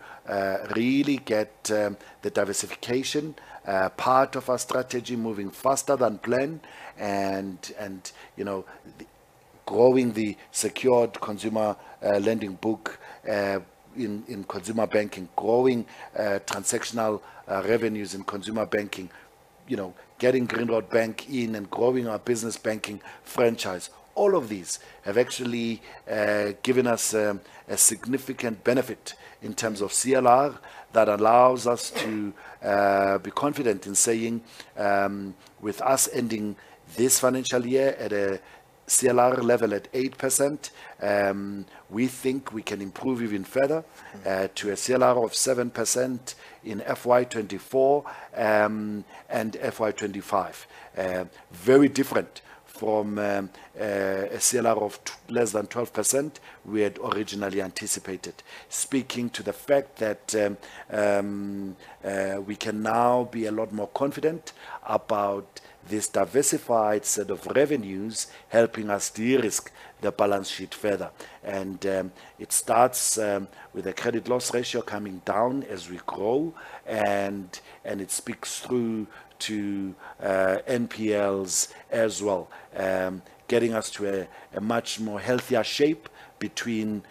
[SPEAKER 1] really get the diversification part of our strategy moving faster than planned. And you know, growing the secured consumer lending book in consumer banking, growing transactional revenues in consumer banking, you know, getting Grindrod Bank in and growing our business banking franchise. All of these have actually given us a significant benefit in terms of CLR, that allows us to be confident in saying, with us ending this financial year at a CLR level at 8%, we think we can improve even further to a CLR of 7% in FY 2024 and FY 2025. Very different from a CLR of less than 12% we had originally anticipated. Speaking to the fact that we can now be a lot more confident about this diversified set of revenues helping us de-risk the balance sheet further. And it starts with a credit loss ratio coming down as we grow, and it speaks through to NPLs as well. Getting us to a much more healthier shape between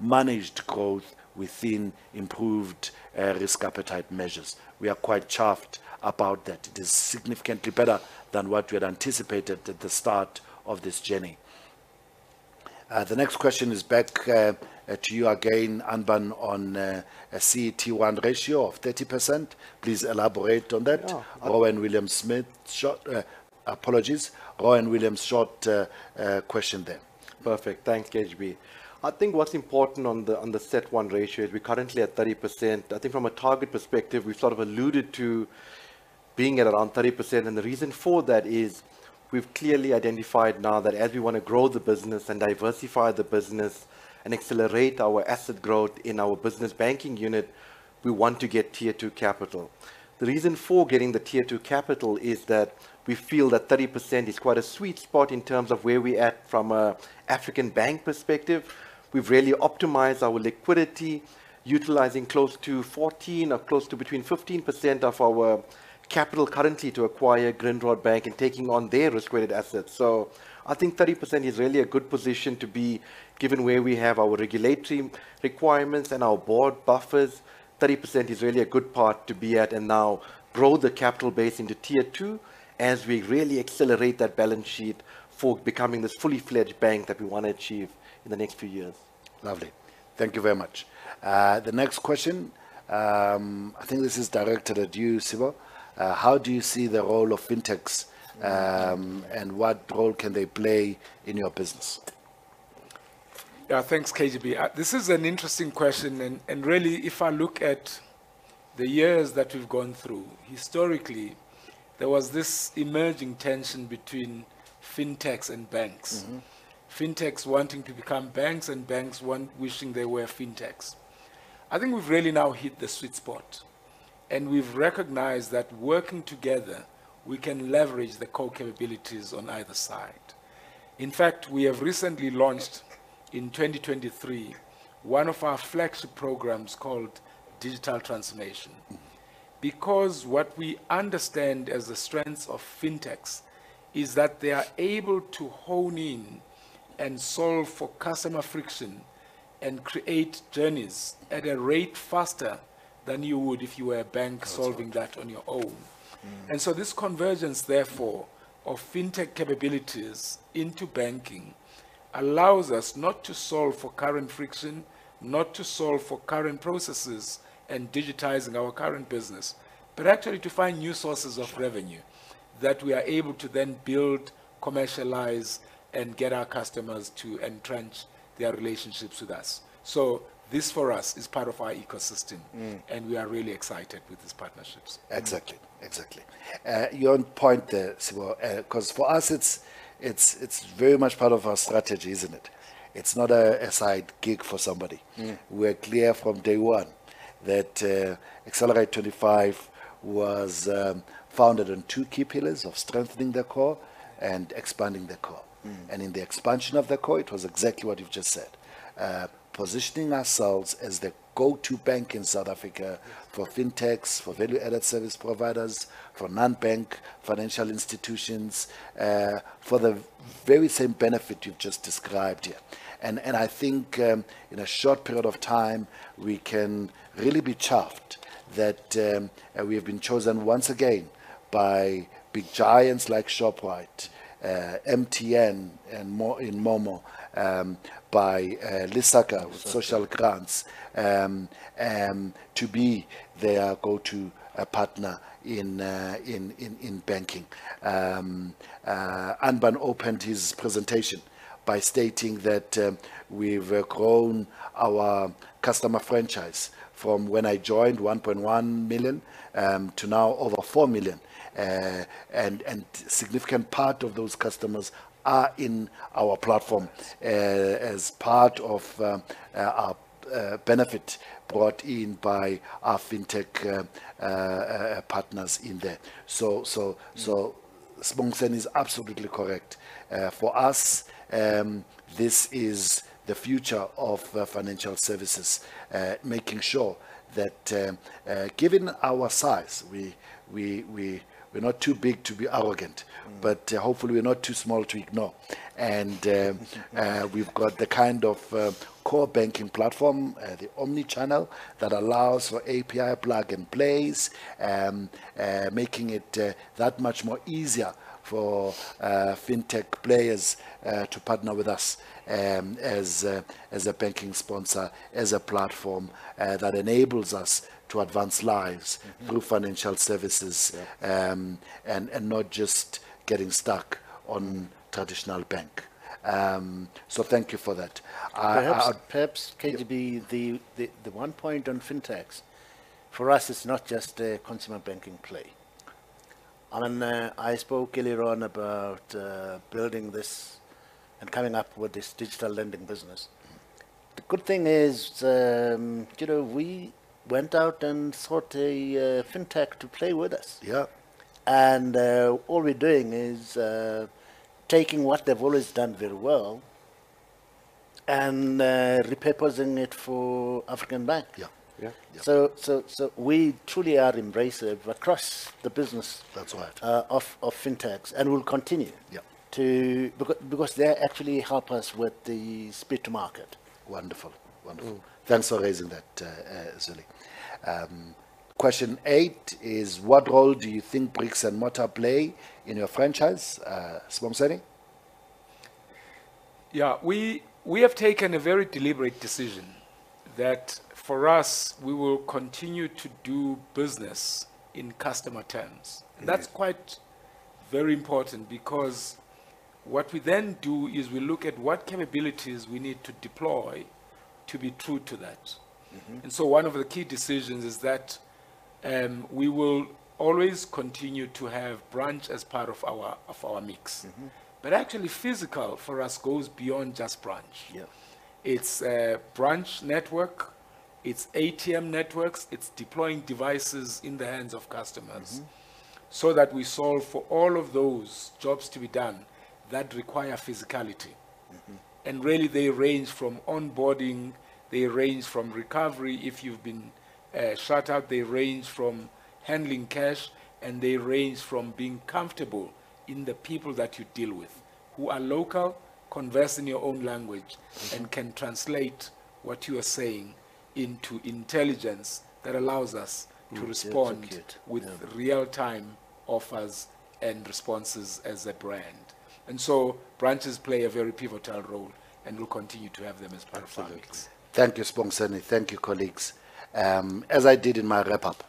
[SPEAKER 1] managed growth within improved risk appetite measures. We are quite chuffed about that. It is significantly better than what we had anticipated at the start of this journey. The next question is back to you again, Anbann, on a CET1 ratio of 30%. Please elaborate on that.
[SPEAKER 4] Yeah.
[SPEAKER 1] Rowan Williams-Smith. Short. Apologies, Rowan Williams-Short. Question there.
[SPEAKER 4] Perfect. Thanks, KGB. I think what's important on the, on the CET1 ratio is we're currently at 30%. I think from a target perspective, we've sort of alluded to being at around 30%, and the reason for that is we've clearly identified now that as we want to grow the business and diversify the business, and accelerate our asset growth in our business banking unit, we want to get Tier 2 capital. The reason for getting the Tier 2 capital is that we feel that 30% is quite a sweet spot in terms of where we're at from an African Bank perspective. We've really optimized our liquidity, utilizing close to 14 or close to between 15% of our capital currency to acquire Grindrod Bank and taking on their risk-weighted assets. I think 30% is really a good position to be, given where we have our regulatory requirements and our board buffers. 30% is really a good part to be at, and now grow the capital base into Tier 2, as we really accelerate that balance sheet for becoming this fully fledged bank that we want to achieve in the next few years.
[SPEAKER 1] Lovely. Thank you very much. The next question, I think this is directed at you, Sibo. How do you see the role of fintechs, and what role can they play in your business?
[SPEAKER 2] Yeah, thanks, KGB. This is an interesting question, and really, if I look at the years that we've gone through, historically, there was this emerging tension between fintechs and banks.
[SPEAKER 1] Mm-hmm.
[SPEAKER 2] Fintechs wanting to become banks, and banks wanting, wishing they were fintechs. I think we've really now hit the sweet spot, and we've recognized that working together, we can leverage the core capabilities on either side. In fact, we have recently launched, in 2023, one of our flagship programs called Digital Transformation.
[SPEAKER 1] Mm.
[SPEAKER 2] Because what we understand as the strengths of fintechs is that they are able to hone in and solve for customer friction and create journeys at a rate faster than you would if you were a bank-
[SPEAKER 1] That's right...
[SPEAKER 2] solving that on your own.
[SPEAKER 1] Mm.
[SPEAKER 2] This convergence, therefore, of fintech capabilities into banking allows us not to solve for current friction, not to solve for current processes and digitizing our current business, but actually to find new sources of revenue-
[SPEAKER 1] Sure...
[SPEAKER 2] that we are able to then build, commercialize, and get our customers to entrench their relationships with us. So this, for us, is part of our ecosystem-
[SPEAKER 1] Mm...
[SPEAKER 2] and we are really excited with these partnerships.
[SPEAKER 1] Exactly, exactly. You're on point there, Sibo, 'cause for us, it's very much part of our strategy, isn't it? It's not a side gig for somebody.
[SPEAKER 2] Mm.
[SPEAKER 1] We're clear from day one that Excelerate25 was founded on two key pillars of strengthening the core and expanding the core.
[SPEAKER 2] Mm.
[SPEAKER 1] In the expansion of the core, it was exactly what you've just said. Positioning ourselves as the go-to bank in South Africa for fintechs, for value-added service providers, for non-bank financial institutions, for the very same benefit you've just described here. And I think, in a short period of time, we can really be chuffed that we have been chosen once again by big giants like Shoprite, MTN, and MoMo, by Lesaka... Social Grants, to be their go-to partner in banking. Anbann opened his presentation by stating that we've grown our customer franchise from when I joined, 1.1 million, to now over 4 million. And significant part of those customers are in our platform, as part of our benefit brought in by our fintech partners in there. Sibongiseni is absolutely correct. For us, this is the future of financial services. Making sure that, given our size, we, we're not too big to be arrogant-
[SPEAKER 3] Mm.
[SPEAKER 1] -but hopefully we're not too small to ignore. We've got the kind of core banking platform, the omni-channel, that allows for API plug and plays, making it that much more easier for fintech players to partner with us, as a, as a banking sponsor, as a platform, that enables us to advance lives-
[SPEAKER 3] Mm-hmm...
[SPEAKER 1] through financial services-
[SPEAKER 3] Yeah...
[SPEAKER 1] and not just getting stuck on traditional bank. So thank you for that. I would-
[SPEAKER 3] Perhaps, KGB-
[SPEAKER 1] Yeah...
[SPEAKER 3] the one point on fintechs, for us, it's not just a consumer banking play. And, I spoke earlier on about building this and coming up with this digital lending business.
[SPEAKER 1] Mm-hmm.
[SPEAKER 3] The good thing is, you know, we went out and sought a fintech to play with us.
[SPEAKER 1] Yeah.
[SPEAKER 3] All we're doing is taking what they've always done very well and repurposing it for African Bank.
[SPEAKER 1] Yeah. Yeah.
[SPEAKER 3] We truly are embracing across the business-
[SPEAKER 1] That's right...
[SPEAKER 3] of fintechs, and we'll continue-
[SPEAKER 1] Yeah...
[SPEAKER 3] to, because they actually help us with the speed to market.
[SPEAKER 1] Wonderful. Wonderful.
[SPEAKER 3] Mm.
[SPEAKER 1] Thanks for raising that, Zweli. Question eight is: What role do you think bricks and mortar play in your franchise, Sibongiseni?
[SPEAKER 2] Yeah. We have taken a very deliberate decision that, for us, we will continue to do business in customer terms.
[SPEAKER 1] Mm-hmm.
[SPEAKER 2] That's quite very important because what we then do is we look at what capabilities we need to deploy to be true to that.
[SPEAKER 1] Mm-hmm.
[SPEAKER 2] And so one of the key decisions is that we will always continue to have branch as part of our mix.
[SPEAKER 1] Mm-hmm.
[SPEAKER 2] Actually, physical for us goes beyond just branch.
[SPEAKER 1] Yeah.
[SPEAKER 2] It's a branch network, it's ATM networks, it's deploying devices in the hands of customers-
[SPEAKER 1] Mm-hmm...
[SPEAKER 2] so that we solve for all of those jobs to be done that require physicality.
[SPEAKER 1] Mm-hmm.
[SPEAKER 2] Really, they range from onboarding, they range from recovery if you've been shut out, they range from handling cash, and they range from being comfortable in the people that you deal with, who are local, converse in your own language-
[SPEAKER 1] Mm-hmm...
[SPEAKER 2] and can translate what you are saying into intelligence that allows us to respond-
[SPEAKER 1] Interpret. Yeah...
[SPEAKER 2] with real-time offers and responses as a brand. Branches play a very pivotal role, and we'll continue to have them as part of our mix.
[SPEAKER 1] Thank you, Sibongiseni. Thank you, colleagues. As I did in my wrap-up,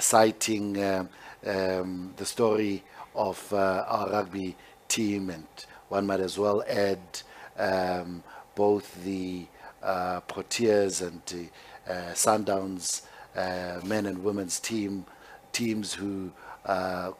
[SPEAKER 1] citing the story of our rugby team, and one might as well add both the Proteas and the Sundowns men and women's teams who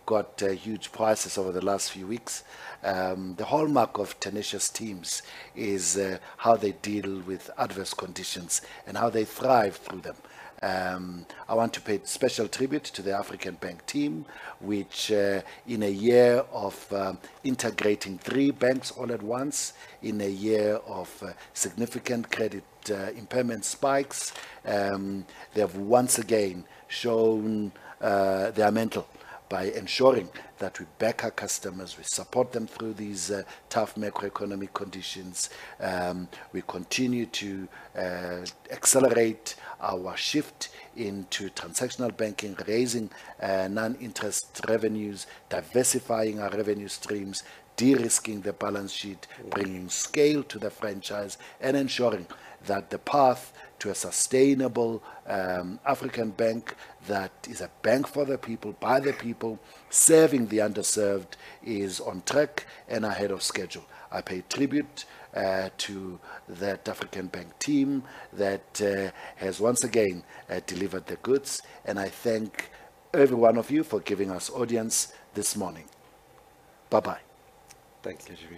[SPEAKER 1] got huge prizes over the last few weeks. The hallmark of tenacious teams is how they deal with adverse conditions and how they thrive through them. I want to pay special tribute to the African Bank team, which in a year of integrating three banks all at once, in a year of significant credit impairment spikes, they have once again shown their mettle by ensuring that we back our customers, we support them through these tough macroeconomic conditions. We continue to accelerate our shift into transactional banking, raising non-interest revenues, diversifying our revenue streams, de-risking the balance sheet-
[SPEAKER 3] Mm...
[SPEAKER 1] bringing scale to the franchise, and ensuring that the path to a sustainable, African Bank, that is a bank for the people, by the people, serving the underserved, is on track and ahead of schedule. I pay tribute to that African Bank team that has once again delivered the goods, and I thank every one of you for giving us audience this morning. Bye-bye.
[SPEAKER 3] Thank you.